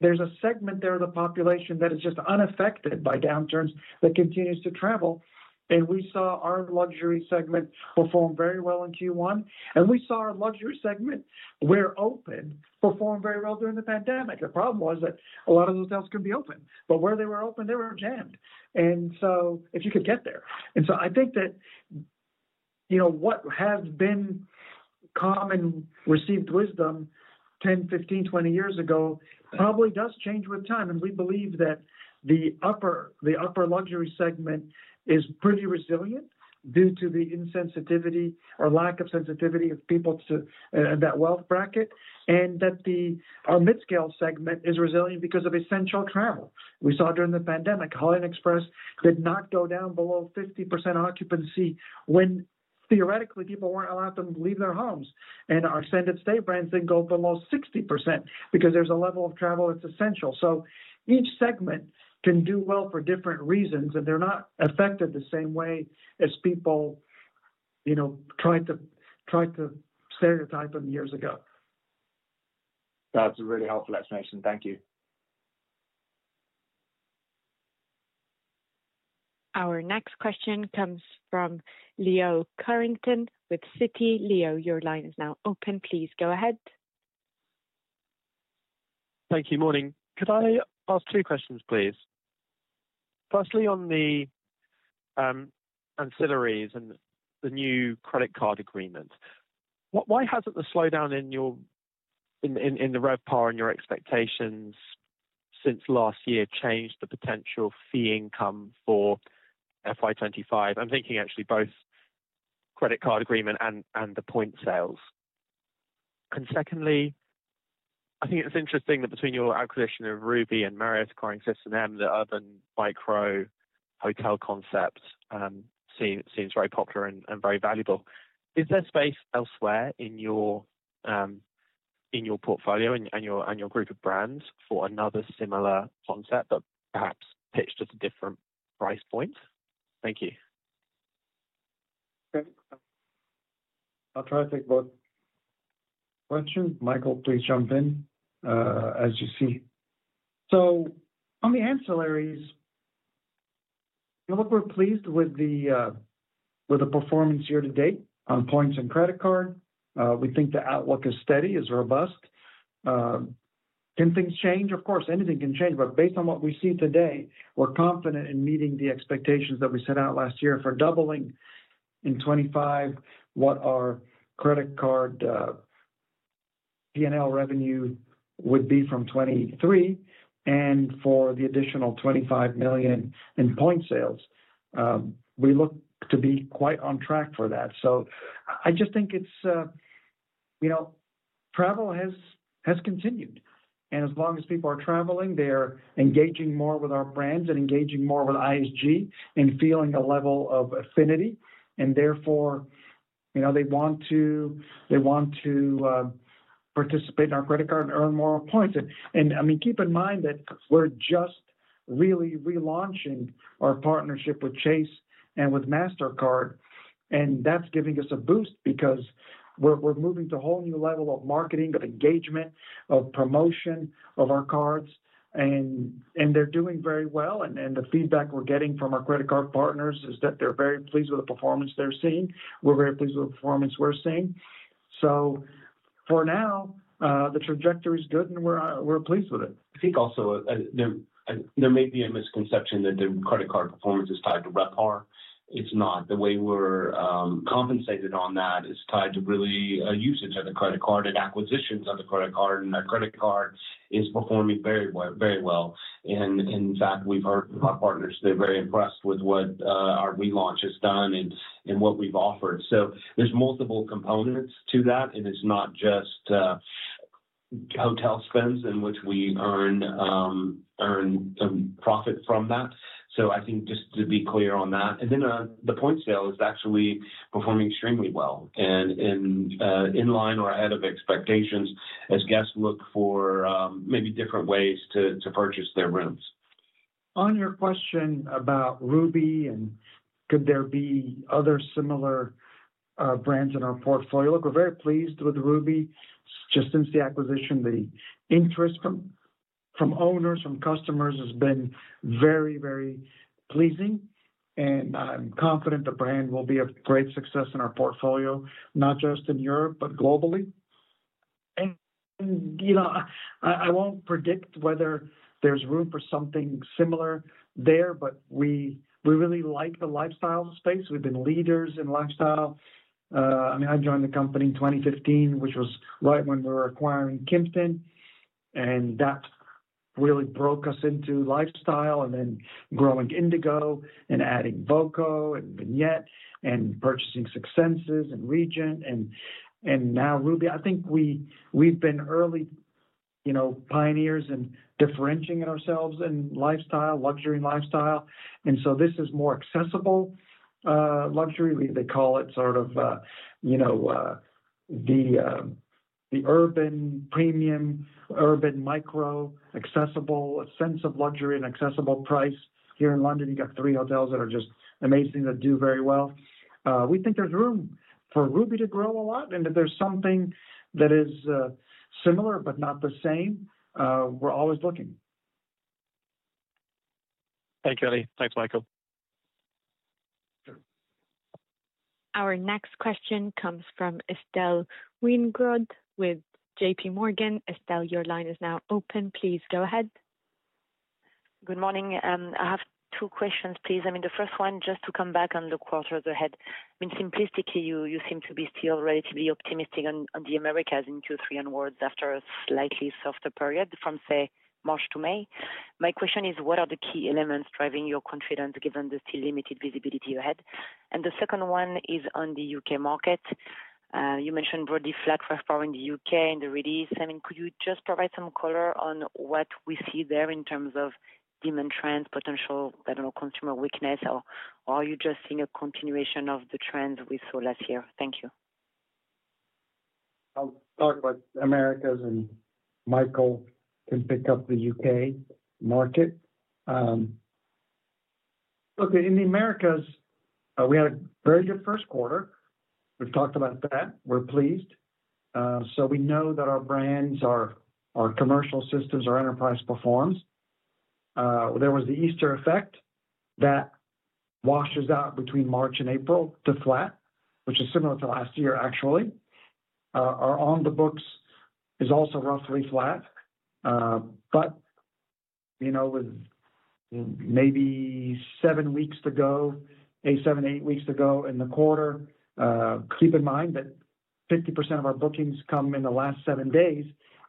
There's a segment there of the population that is just unaffected by downturns that continues to travel. We saw our luxury segment perform very well in Q1. We saw our luxury segment, where open, perform very well during the pandemic. The problem was that a lot of those hotels couldn't be open. Where they were open, they were jammed. If you could get there. I think that what has been common received wisdom 10, 15, 20 years ago probably does change with time. We believe that the upper luxury segment is pretty resilient due to the insensitivity or lack of sensitivity of people to that wealth bracket, and that our mid-scale segment is resilient because of essential travel. We saw during the pandemic, Holiday Inn Express did not go down below 50% occupancy when theoretically people were not allowed to leave their homes. Our extended stay brands did not go below 60% because there is a level of travel that is essential. Each segment can do well for different reasons, and they are not affected the same way as people tried to stereotype them years ago. That's a really helpful explanation. Thank you. Our next question comes from Leo Carrington with Citi. Leo, your line is now open. Please go ahead. Thank you. Morning. Could I ask two questions, please? Firstly, on the ancillaries and the new credit card agreement, why has not the slowdown in the RevPAR and your expectations since last year changed the potential fee income for FY25? I am thinking actually both credit card agreement and the point sales. And secondly, I think it is interesting that between your acquisition of Ruby and Marriott acquiring Sis and Em, the Urban Micro Hotel concept seems very popular and very valuable. Is there space elsewhere in your portfolio and your group of brands for another similar concept but perhaps pitched at a different price point? Thank you. I'll try to take both questions. Michael, please jump in as you see. On the ancillaries, we're pleased with the performance year to date on points and credit card. We think the outlook is steady, is robust. Can things change? Of course, anything can change. Based on what we see today, we're confident in meeting the expectations that we set out last year for doubling in 2025 what our credit card P&L revenue would be from 2023. For the additional $25 million in point sales, we look to be quite on track for that. I just think travel has continued. As long as people are traveling, they're engaging more with our brands and engaging more with IHG and feeling a level of affinity. Therefore, they want to participate in our credit card and earn more points. I mean, keep in mind that we're just really relaunching our partnership with Chase and with MasterCard. That's giving us a boost because we're moving to a whole new level of marketing, of engagement, of promotion of our cards. They're doing very well. The feedback we're getting from our credit card partners is that they're very pleased with the performance they're seeing. We're very pleased with the performance we're seeing. For now, the trajectory is good, and we're pleased with it. I think also there may be a misconception that the credit card performance is tied to RevPAR. It is not. The way we are compensated on that is tied to really usage of the credit card and acquisitions of the credit card. And our credit card is performing very well. In fact, we have heard from our partners, they are very impressed with what our relaunch has done and what we have offered. There are multiple components to that, and it is not just hotel spends in which we earn profit from that. I think just to be clear on that. The point sale is actually performing extremely well and in line or ahead of expectations as guests look for maybe different ways to purchase their rooms. On your question about Ruby and could there be other similar brands in our portfolio, look, we're very pleased with Ruby just since the acquisition. The interest from owners, from customers has been very, very pleasing. I'm confident the brand will be a great success in our portfolio, not just in Europe, but globally. I won't predict whether there's room for something similar there, but we really like the lifestyle space. We've been leaders in lifestyle. I mean, I joined the company in 2015, which was right when we were acquiring Kimpton. That really broke us into lifestyle and then growing Indigo and adding voco and Vignette and purchasing Six Senses and Regent. Now Ruby, I think we've been early pioneers in differentiating ourselves in lifestyle, luxury lifestyle. This is more accessible luxury. They call it sort of the urban premium, urban micro, accessible, a sense of luxury and accessible price. Here in London, you got three hotels that are just amazing that do very well. We think there's room for Ruby to grow a lot and that there's something that is similar but not the same. We're always looking. Thank you, Eddie. Thanks, Michael. Our next question comes from Estelle Weingrod with J.P. Morgan. Estelle, your line is now open. Please go ahead. Good morning. I have two questions, please. I mean, the first one, just to come back on the quarters ahead. I mean, simplistically, you seem to be still relatively optimistic on the Americas in two, three onwards after a slightly softer period from, say, March to May. My question is, what are the key elements driving your confidence given the still limited visibility ahead? The second one is on the U.K. market. You mentioned broadly flat RevPAR in the U.K. in the release. I mean, could you just provide some color on what we see there in terms of demand trends, potential, I don't know, consumer weakness, or are you just seeing a continuation of the trends we saw last year? Thank you. I'll talk about Americas, and Michael can pick up the U.K. market. Look, in the Americas, we had a very good first quarter. We've talked about that. We're pleased. We know that our brands, our commercial systems, our enterprise performs. There was the Easter effect that washes out between March and April to flat, which is similar to last year, actually. Our on-the-books is also roughly flat. With maybe seven weeks to go, seven, eight weeks to go in the quarter, keep in mind that 50% of our bookings come in the last seven days.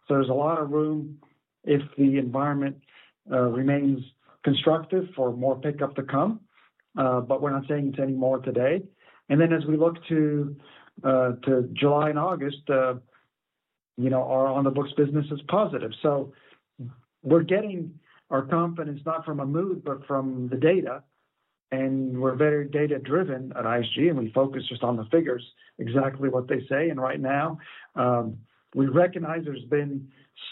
There's a lot of room if the environment remains constructive for more pickup to come. We're not saying it's any more today. As we look to July and August, our on-the-books business is positive. We're getting our confidence not from a mood, but from the data. We are very data-driven at IHG, and we focus just on the figures, exactly what they say. Right now, we recognize there has been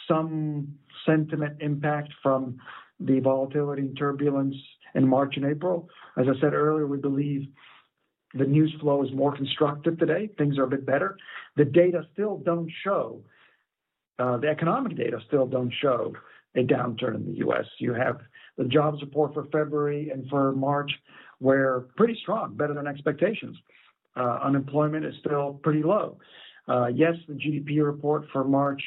some sentiment impact from the volatility and turbulence in March and April. As I said earlier, we believe the news flow is more constructive today. Things are a bit better. The data still do not show, the economic data still do not show a downturn in the U.S.. You have the jobs report for February and for March were pretty strong, better than expectations. Unemployment is still pretty low. Yes, the GDP report for March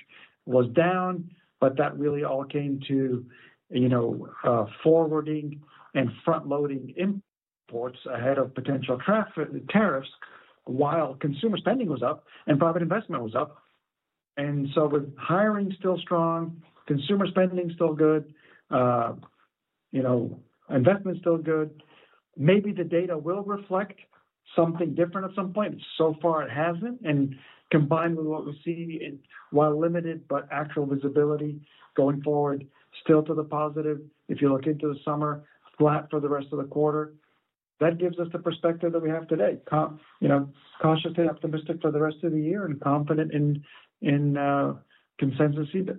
was down, but that really all came to forwarding and front-loading imports ahead of potential tariffs while consumer spending was up and private investment was up. With hiring still strong, consumer spending still good, investment still good, maybe the data will reflect something different at some point. So far, it has not. Combined with what we see in, while limited, but actual visibility going forward, still to the positive. If you look into the summer, flat for the rest of the quarter, that gives us the perspective that we have today. Cautiously optimistic for the rest of the year and confident in consensus even.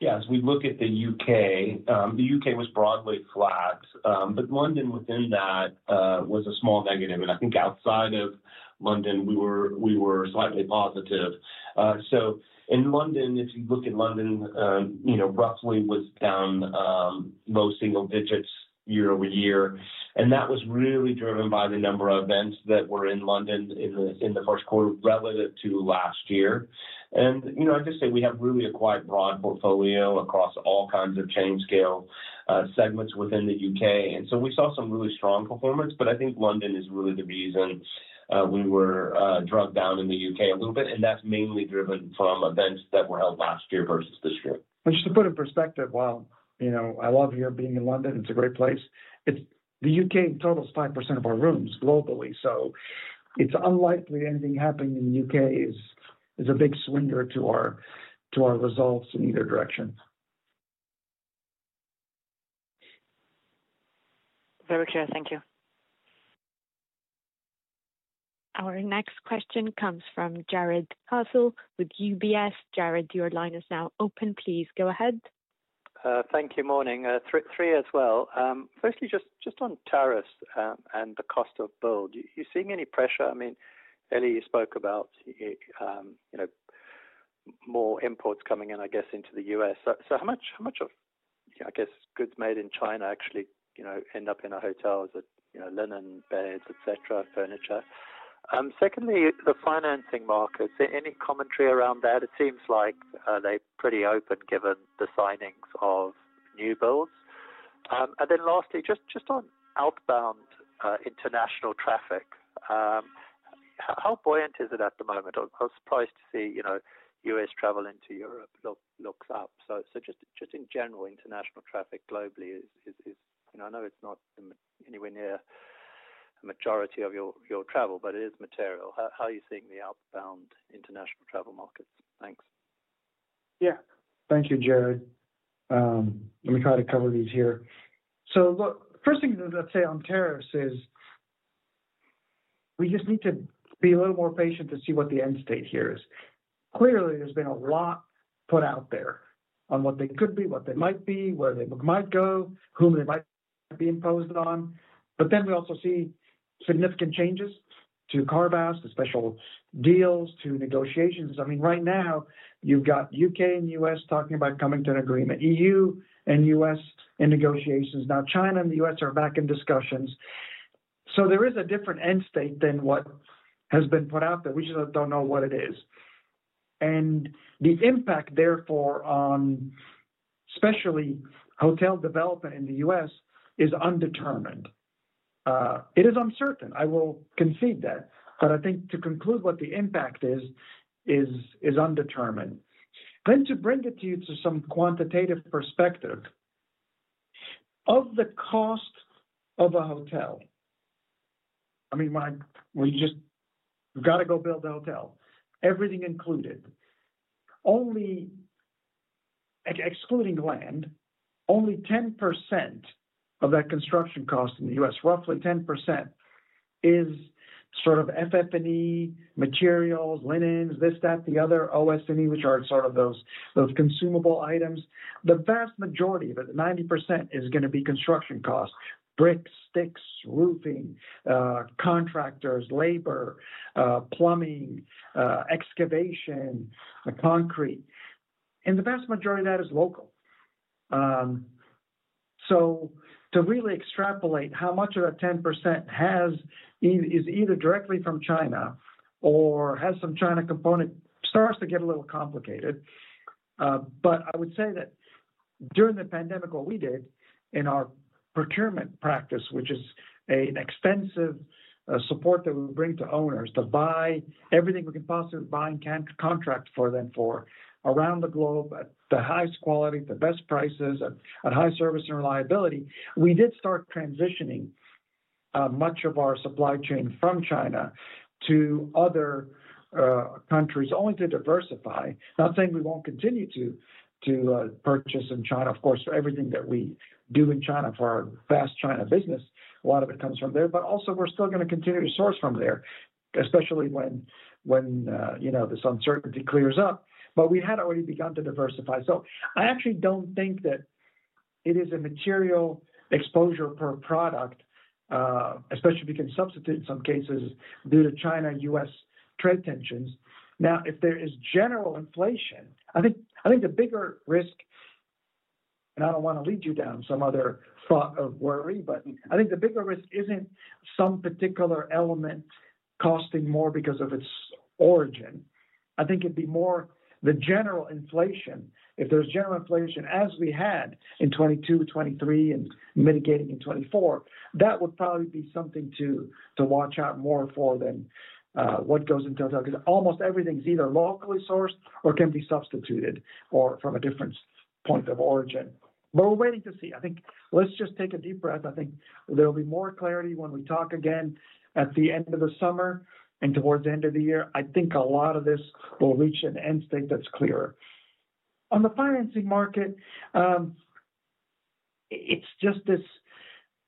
Yeah. As we look at the U.K., the U.K. was broadly flat. London within that was a small negative. I think outside of London, we were slightly positive. In London, if you look at London, roughly was down low single digits year over year. That was really driven by the number of events that were in London in the first quarter relative to last year. I just say we have really a quite broad portfolio across all kinds of chain scale segments within the U.K. We saw some really strong performance. I think London is really the reason we were dragged down in the U.K. a little bit. That is mainly driven from events that were held last year versus this year. Just to put in perspective, while I love here being in London, it's a great place. The U.K. in total is 5% of our rooms globally. So it's unlikely anything happening in the U.K. is a big swinger to our results in either direction. Very clear. Thank you. Our next question comes from Jared Castle with UBS. Jared, your line is now open. Please go ahead. Thank you. Morning. Three as well. Firstly, just on tariffs and the cost of build, are you seeing any pressure? I mean, Elie, you spoke about more imports coming in, I guess, into the U.S. How much of, I guess, goods made in China actually end up in our hotels? Linen, beds, etc., furniture. Secondly, the financing markets, any commentary around that? It seems like they're pretty open given the signings of new builds. Lastly, just on outbound international traffic, how buoyant is it at the moment? I was surprised to see U.S. travel into Europe looks up. In general, international traffic globally is, I know it's not anywhere near a majority of your travel, but it is material. How are you seeing the outbound international travel markets? Thanks. Yeah. Thank you, Jared. Let me try to cover these here. The first thing to say on tariffs is we just need to be a little more patient to see what the end state here is. Clearly, there has been a lot put out there on what they could be, what they might be, where they might go, whom they might be imposed on. We also see significant changes to carve-outs, to special deals, to negotiations. I mean, right now, you have U.K. and U.S. talking about coming to an agreement, EU and U.S. in negotiations. Now, China and the U.S. are back in discussions. There is a different end state than what has been put out there. We just do not know what it is. The impact, therefore, on especially hotel development in the U.S. is undetermined. It is uncertain. I will concede that. I think to conclude what the impact is, is undetermined. To bring it to you to some quantitative perspective of the cost of a hotel, I mean, we just got to go build a hotel, everything included. Excluding land, only 10% of that construction cost in the U.S., roughly 10%, is sort of FF&E, materials, linens, this, that, the other, OS&E, which are sort of those consumable items. The vast majority of it, 90%, is going to be construction costs: bricks, sticks, roofing, contractors, labor, plumbing, excavation, concrete. The vast majority of that is local. To really extrapolate how much of that 10% is either directly from China or has some China component starts to get a little complicated. I would say that during the pandemic, what we did in our procurement practice, which is an extensive support that we bring to owners to buy everything we can possibly buy and contract for them for around the globe at the highest quality, the best prices, at high service and reliability, we did start transitioning much of our supply chain from China to other countries only to diversify. Not saying we will not continue to purchase in China, of course, for everything that we do in China for our fast China business. A lot of it comes from there. We are still going to continue to source from there, especially when this uncertainty clears up. We had already begun to diversify. I actually do not think that it is a material exposure per product, especially if you can substitute in some cases due to China-US trade tensions. Now, if there is general inflation, I think the bigger risk, and I do not want to lead you down some other thought of worry, but I think the bigger risk is not some particular element costing more because of its origin. I think it would be more the general inflation. If there is general inflation as we had in 2022, 2023, and mitigating in 2024, that would probably be something to watch out more for than what goes into hotel. Because almost everything is either locally sourced or can be substituted or from a different point of origin. We are waiting to see. I think let us just take a deep breath. I think there will be more clarity when we talk again at the end of the summer and towards the end of the year. I think a lot of this will reach an end state that is clearer. On the financing market, it's just this,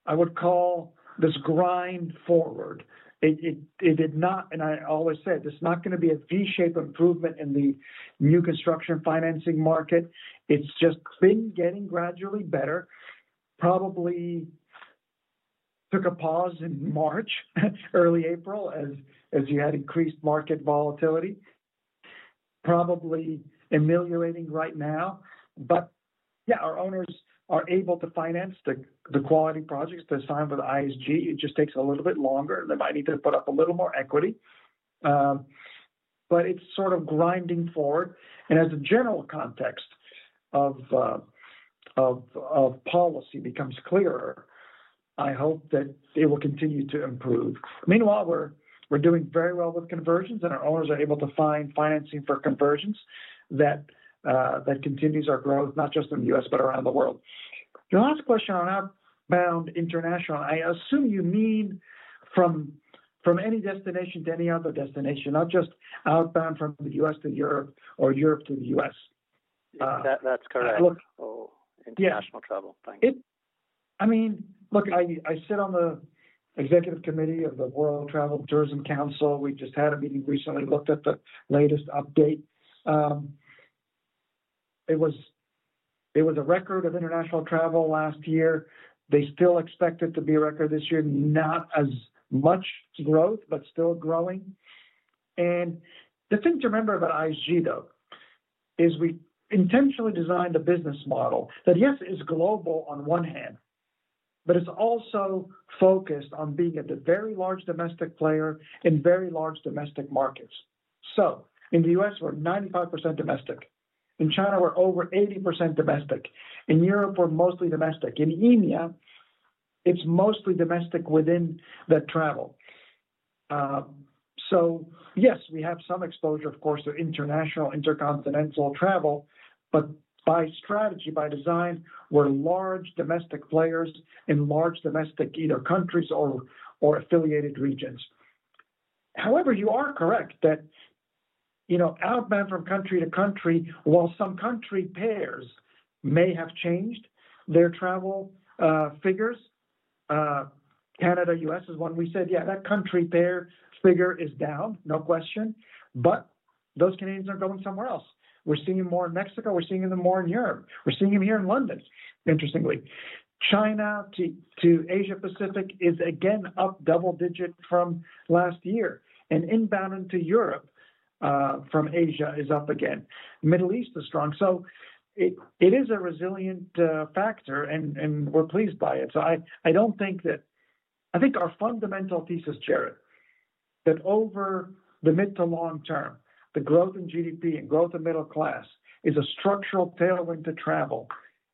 I would call this grind forward. It did not, and I always say, it's not going to be a V-shape improvement in the new construction financing market. It's just been getting gradually better. Probably took a pause in March, early April, as you had increased market volatility. Probably ameliorating right now. Yeah, our owners are able to finance the quality projects to sign with IHG. It just takes a little bit longer. They might need to put up a little more equity. It's sort of grinding forward. As the general context of policy becomes clearer, I hope that it will continue to improve. Meanwhile, we're doing very well with conversions, and our owners are able to find financing for conversions that continues our growth, not just in the U.S., but around the world. Your last question on outbound international, I assume you mean from any destination to any other destination, not just outbound from the U.S. to Europe or Europe to the U.S. That's correct. Oh, international travel. Thank you. I mean, look, I sit on the executive committee of the World Travel Tourism Council. We just had a meeting recently, looked at the latest update. It was a record of international travel last year. They still expect it to be a record this year, not as much growth, but still growing. The thing to remember about IHG, though, is we intentionally designed a business model that, yes, is global on one hand, but it's also focused on being a very large domestic player in very large domestic markets. In the U.S., we're 95% domestic. In China, we're over 80% domestic. In Europe, we're mostly domestic. In EMEA, it's mostly domestic within that travel. Yes, we have some exposure, of course, to international intercontinental travel. By strategy, by design, we're large domestic players in large domestic either countries or affiliated regions. However, you are correct that outbound from country to country, while some country pairs may have changed their travel figures, Canada, U.S. is one we said, yeah, that country pair figure is down, no question. Those Canadians are going somewhere else. We are seeing them more in Mexico. We are seeing them more in Europe. We are seeing them here in London, interestingly. China to Asia-Pacific is again up double-digit from last year. Inbound into Europe from Asia is up again. Middle East is strong. It is a resilient factor, and we are pleased by it. I do not think that I think our fundamental thesis, Jared, that over the mid to long term, the growth in GDP and growth in middle class is a structural tailwind to travel.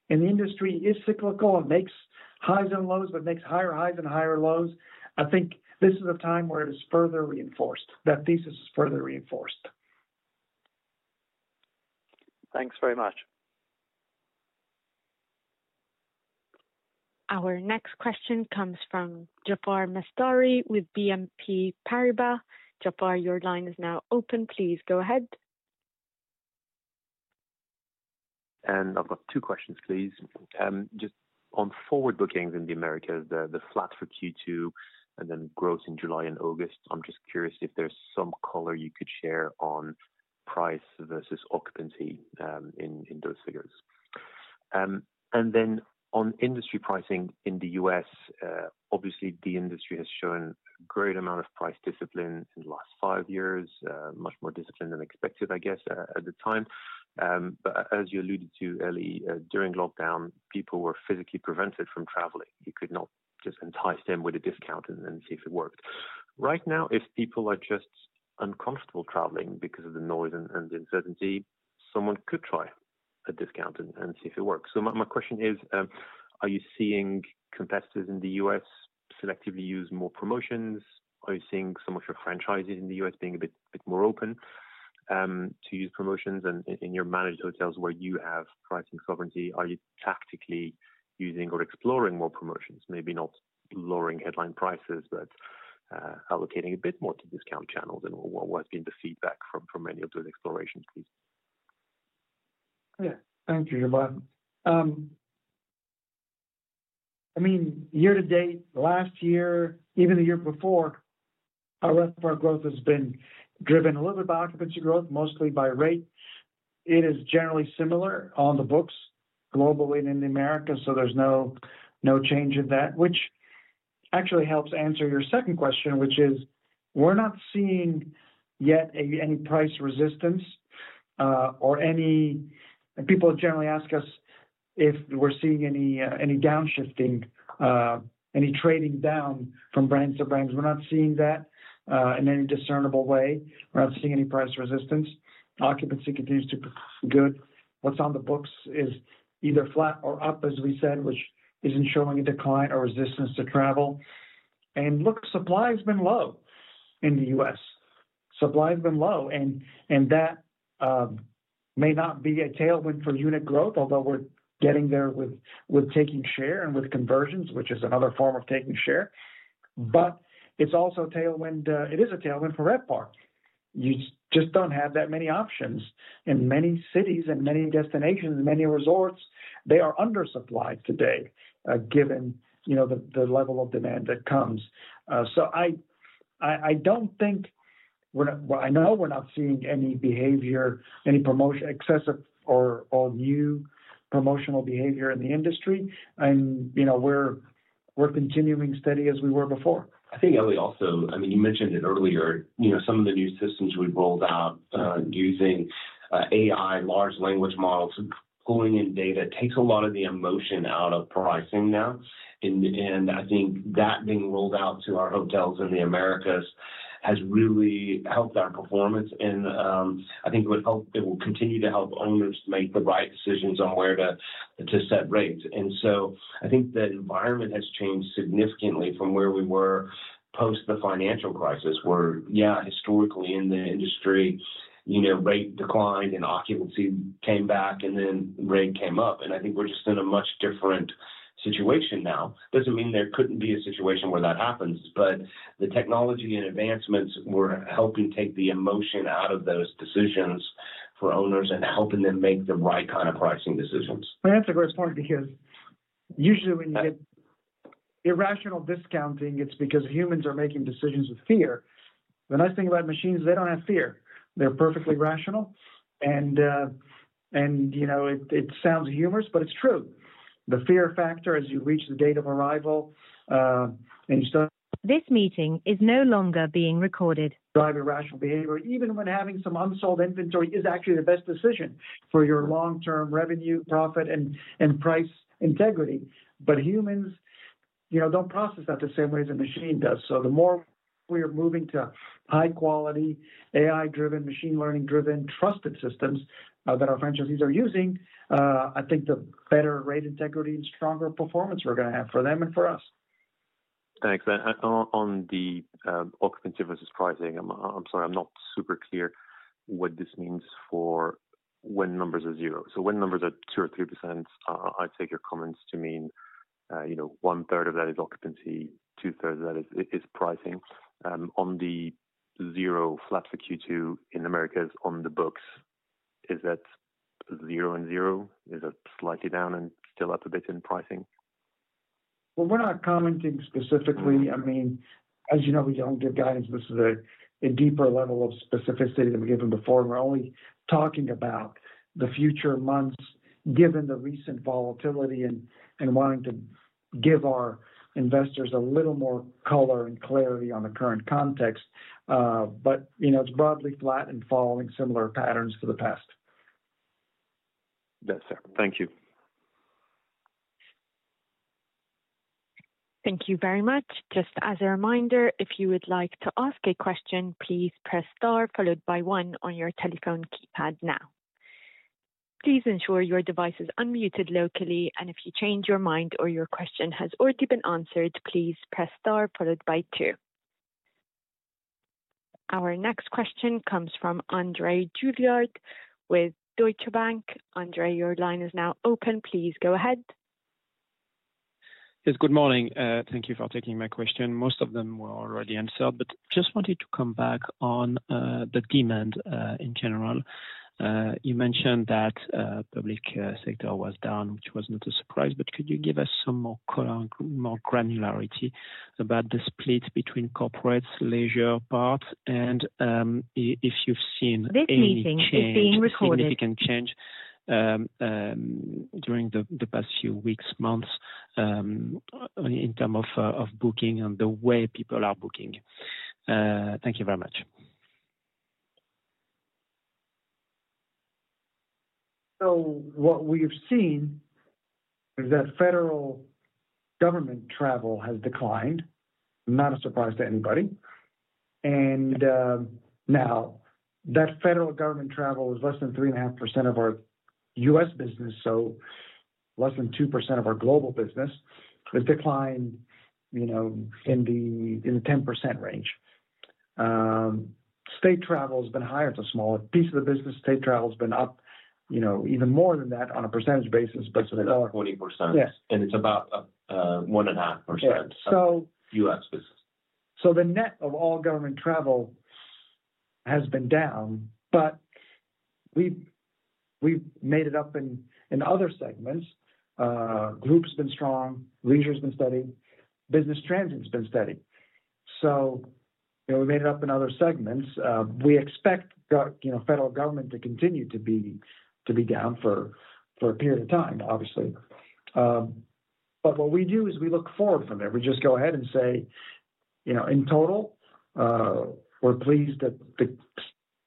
The industry is cyclical and makes highs and lows, but makes higher highs and higher lows. I think this is a time where it is further reinforced. That thesis is further reinforced. Thanks very much. Our next question comes from Jafar Mestari with BNP Paribas. Jafar, your line is now open. Please go ahead. I have two questions, please. Just on forward bookings in the Americas, the flat for Q2 and then growth in July and August, I am just curious if there is some color you could share on price versus occupancy in those figures. On industry pricing in the U.S., obviously, the industry has shown a great amount of price discipline in the last five years, much more discipline than expected, I guess, at the time. As you alluded to, Elie, during lockdown, people were physically prevented from traveling. You could not just entice them with a discount and see if it worked. Right now, if people are just uncomfortable traveling because of the noise and the uncertainty, someone could try a discount and see if it works. My question is, are you seeing competitors in the U.S. selectively use more promotions? Are you seeing some of your franchises in the U.S. being a bit more open to use promotions? In your managed hotels where you have pricing sovereignty, are you tactically using or exploring more promotions? Maybe not lowering headline prices, but allocating a bit more to discount channels. What has been the feedback from any of those explorations, please? Yeah. Thank you, Jafar. I mean, year to date, last year, even the year before, our rest of our growth has been driven a little bit by occupancy growth, mostly by rate. It is generally similar on the books globally and in the U.S. There is no change in that, which actually helps answer your second question, which is we're not seeing yet any price resistance or any people generally ask us if we're seeing any downshifting, any trading down from brands to brands. We're not seeing that in any discernible way. We're not seeing any price resistance. Occupancy continues to be good. What's on the books is either flat or up, as we said, which isn't showing a decline or resistance to travel. Look, supply has been low in the US. Supply has been low. That may not be a tailwind for unit growth, although we're getting there with taking share and with conversions, which is another form of taking share. It is also a tailwind for RevPAR. You just do not have that many options in many cities and many destinations, many resorts. They are undersupplied today, given the level of demand that comes. I do not think, I know, we are not seeing any behavior, any excessive or new promotional behavior in the industry. We are continuing steady as we were before. I think, Elie, also, I mean, you mentioned it earlier, some of the new systems we've rolled out using AI, large language models, pulling in data takes a lot of the emotion out of pricing now. I think that being rolled out to our hotels in the Americas has really helped our performance. I think it will continue to help owners make the right decisions on where to set rates. I think the environment has changed significantly from where we were post the financial crisis, where, yeah, historically in the industry, rate declined and occupancy came back, and then rate came up. I think we're just in a much different situation now. Doesn't mean there couldn't be a situation where that happens, but the technology and advancements are helping take the emotion out of those decisions for owners and helping them make the right kind of pricing decisions. That's a great point because usually when you get irrational discounting, it's because humans are making decisions with fear. The nice thing about machines, they don't have fear. They're perfectly rational. It sounds humorous, but it's true. The fear factor, as you reach the date of arrival, and you start. This meeting is no longer being recorded. Driving rational behavior, even when having some unsold inventory is actually the best decision for your long-term revenue, profit, and price integrity. Humans do not process that the same way as a machine does. The more we are moving to high-quality, AI-driven, machine-learning-driven trusted systems that our franchisees are using, I think the better rate integrity and stronger performance we are going to have for them and for us. Thanks. On the occupancy versus pricing, I'm sorry, I'm not super clear what this means for when numbers are zero. So when numbers are 2 or 3%, I take your comments to mean one-third of that is occupancy, two-thirds of that is pricing. On the zero flat for Q2 in the Americas, on the books, is that zero and zero? Is it slightly down and still up a bit in pricing? We're not commenting specifically. I mean, as you know, we don't give guidance. This is a deeper level of specificity than we've given before. We're only talking about the future months, given the recent volatility and wanting to give our investors a little more color and clarity on the current context. It's broadly flat and following similar patterns to the past. Yes, sir. Thank you. Thank you very much. Just as a reminder, if you would like to ask a question, please press star followed by one on your telephone keypad now. Please ensure your device is unmuted locally. If you change your mind or your question has already been answered, please press star followed by two. Our next question comes from André Juillard with Deutsche Bank. André, your line is now open. Please go ahead. Yes, good morning. Thank you for taking my question. Most of them were already answered, but just wanted to come back on the demand in general. You mentioned that public sector was down, which was not a surprise, but could you give us some more granularity about the split between corporates, leisure parts, and if you've seen. This meeting is being recorded. Any significant change during the past few weeks, months, in terms of booking and the way people are booking? Thank you very much. What we've seen is that federal government travel has declined, not a surprise to anybody. Now that federal government travel is less than 3.5% of our U.S. business, so less than 2% of our global business. It's declined in the 10% range. State travel has been higher. It's a smaller piece of the business. State travel has been up even more than that on a percentage basis. It's about 20%. And it's about 1.5% U.S. business. The net of all government travel has been down, but we've made it up in other segments. Groups have been strong. Leisure has been steady. Business transit has been steady. We made it up in other segments. We expect federal government to continue to be down for a period of time, obviously. What we do is we look forward from there. We just go ahead and say, in total, we're pleased that the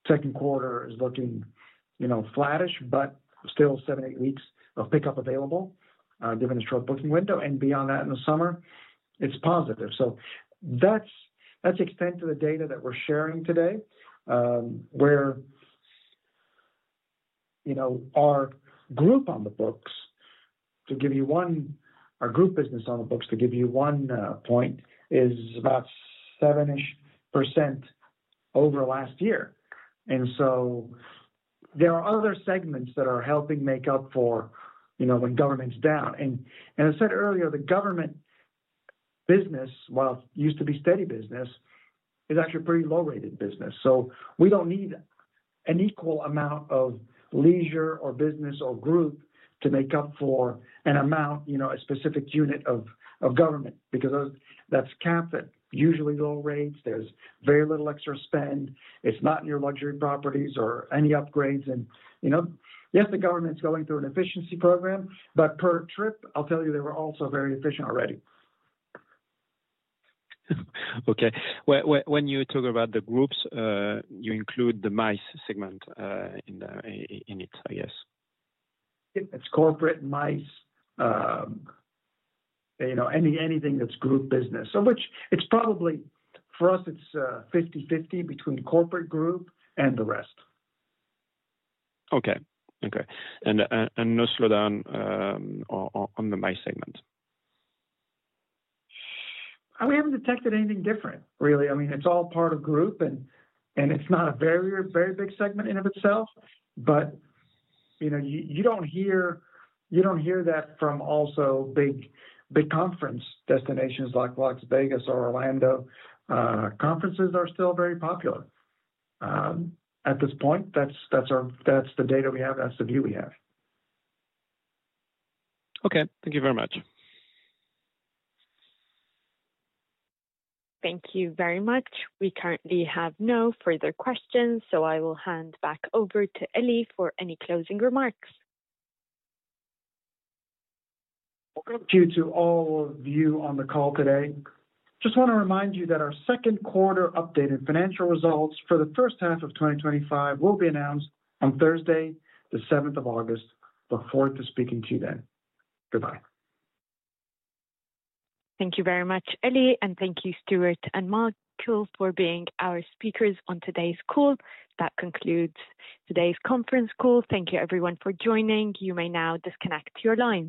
second quarter is looking flattish, but still seven-eight weeks of pickup available, given a short booking window. Beyond that, in the summer, it's positive. That's the extent of the data that we're sharing today, where our group on the books, to give you one, our group business on the books, to give you one point, is about 7% over last year. There are other segments that are helping make up for when government's down. As I said earlier, the government business, while it used to be steady business, is actually a pretty low-rated business. We do not need an equal amount of leisure or business or group to make up for an amount, a specific unit of government, because that is capped. Usually low rates. There is very little extra spend. It is not in your luxury properties or any upgrades. Yes, the government's going through an efficiency program, but per trip, I'll tell you, they were also very efficient already. Okay. When you talk about the groups, you include the MICE segment in it, I guess. It's corporate MICE, anything that's group business. So it's probably for us, it's 50/50 between corporate group and the rest. Okay. Okay. And no slowdown on the MICE segment. We haven't detected anything different, really. I mean, it's all part of group, and it's not a very big segment in and of itself. You don't hear that from also big conference destinations like Las Vegas or Orlando. Conferences are still very popular at this point. That's the data we have. That's the view we have. Okay. Thank you very much. Thank you very much. We currently have no further questions, so I will hand back over to Elie for any closing remarks. Welcome to all of you on the call today. Just want to remind you that our second quarter updated financial results for the first half of 2025 will be announced on Thursday, the 7th of August. Look forward to speaking to you then. Goodbye. Thank you very much, Elie, and thank you, Stuart and Mark, for being our speakers on today's call. That concludes today's conference call. Thank you, everyone, for joining. You may now disconnect your lines.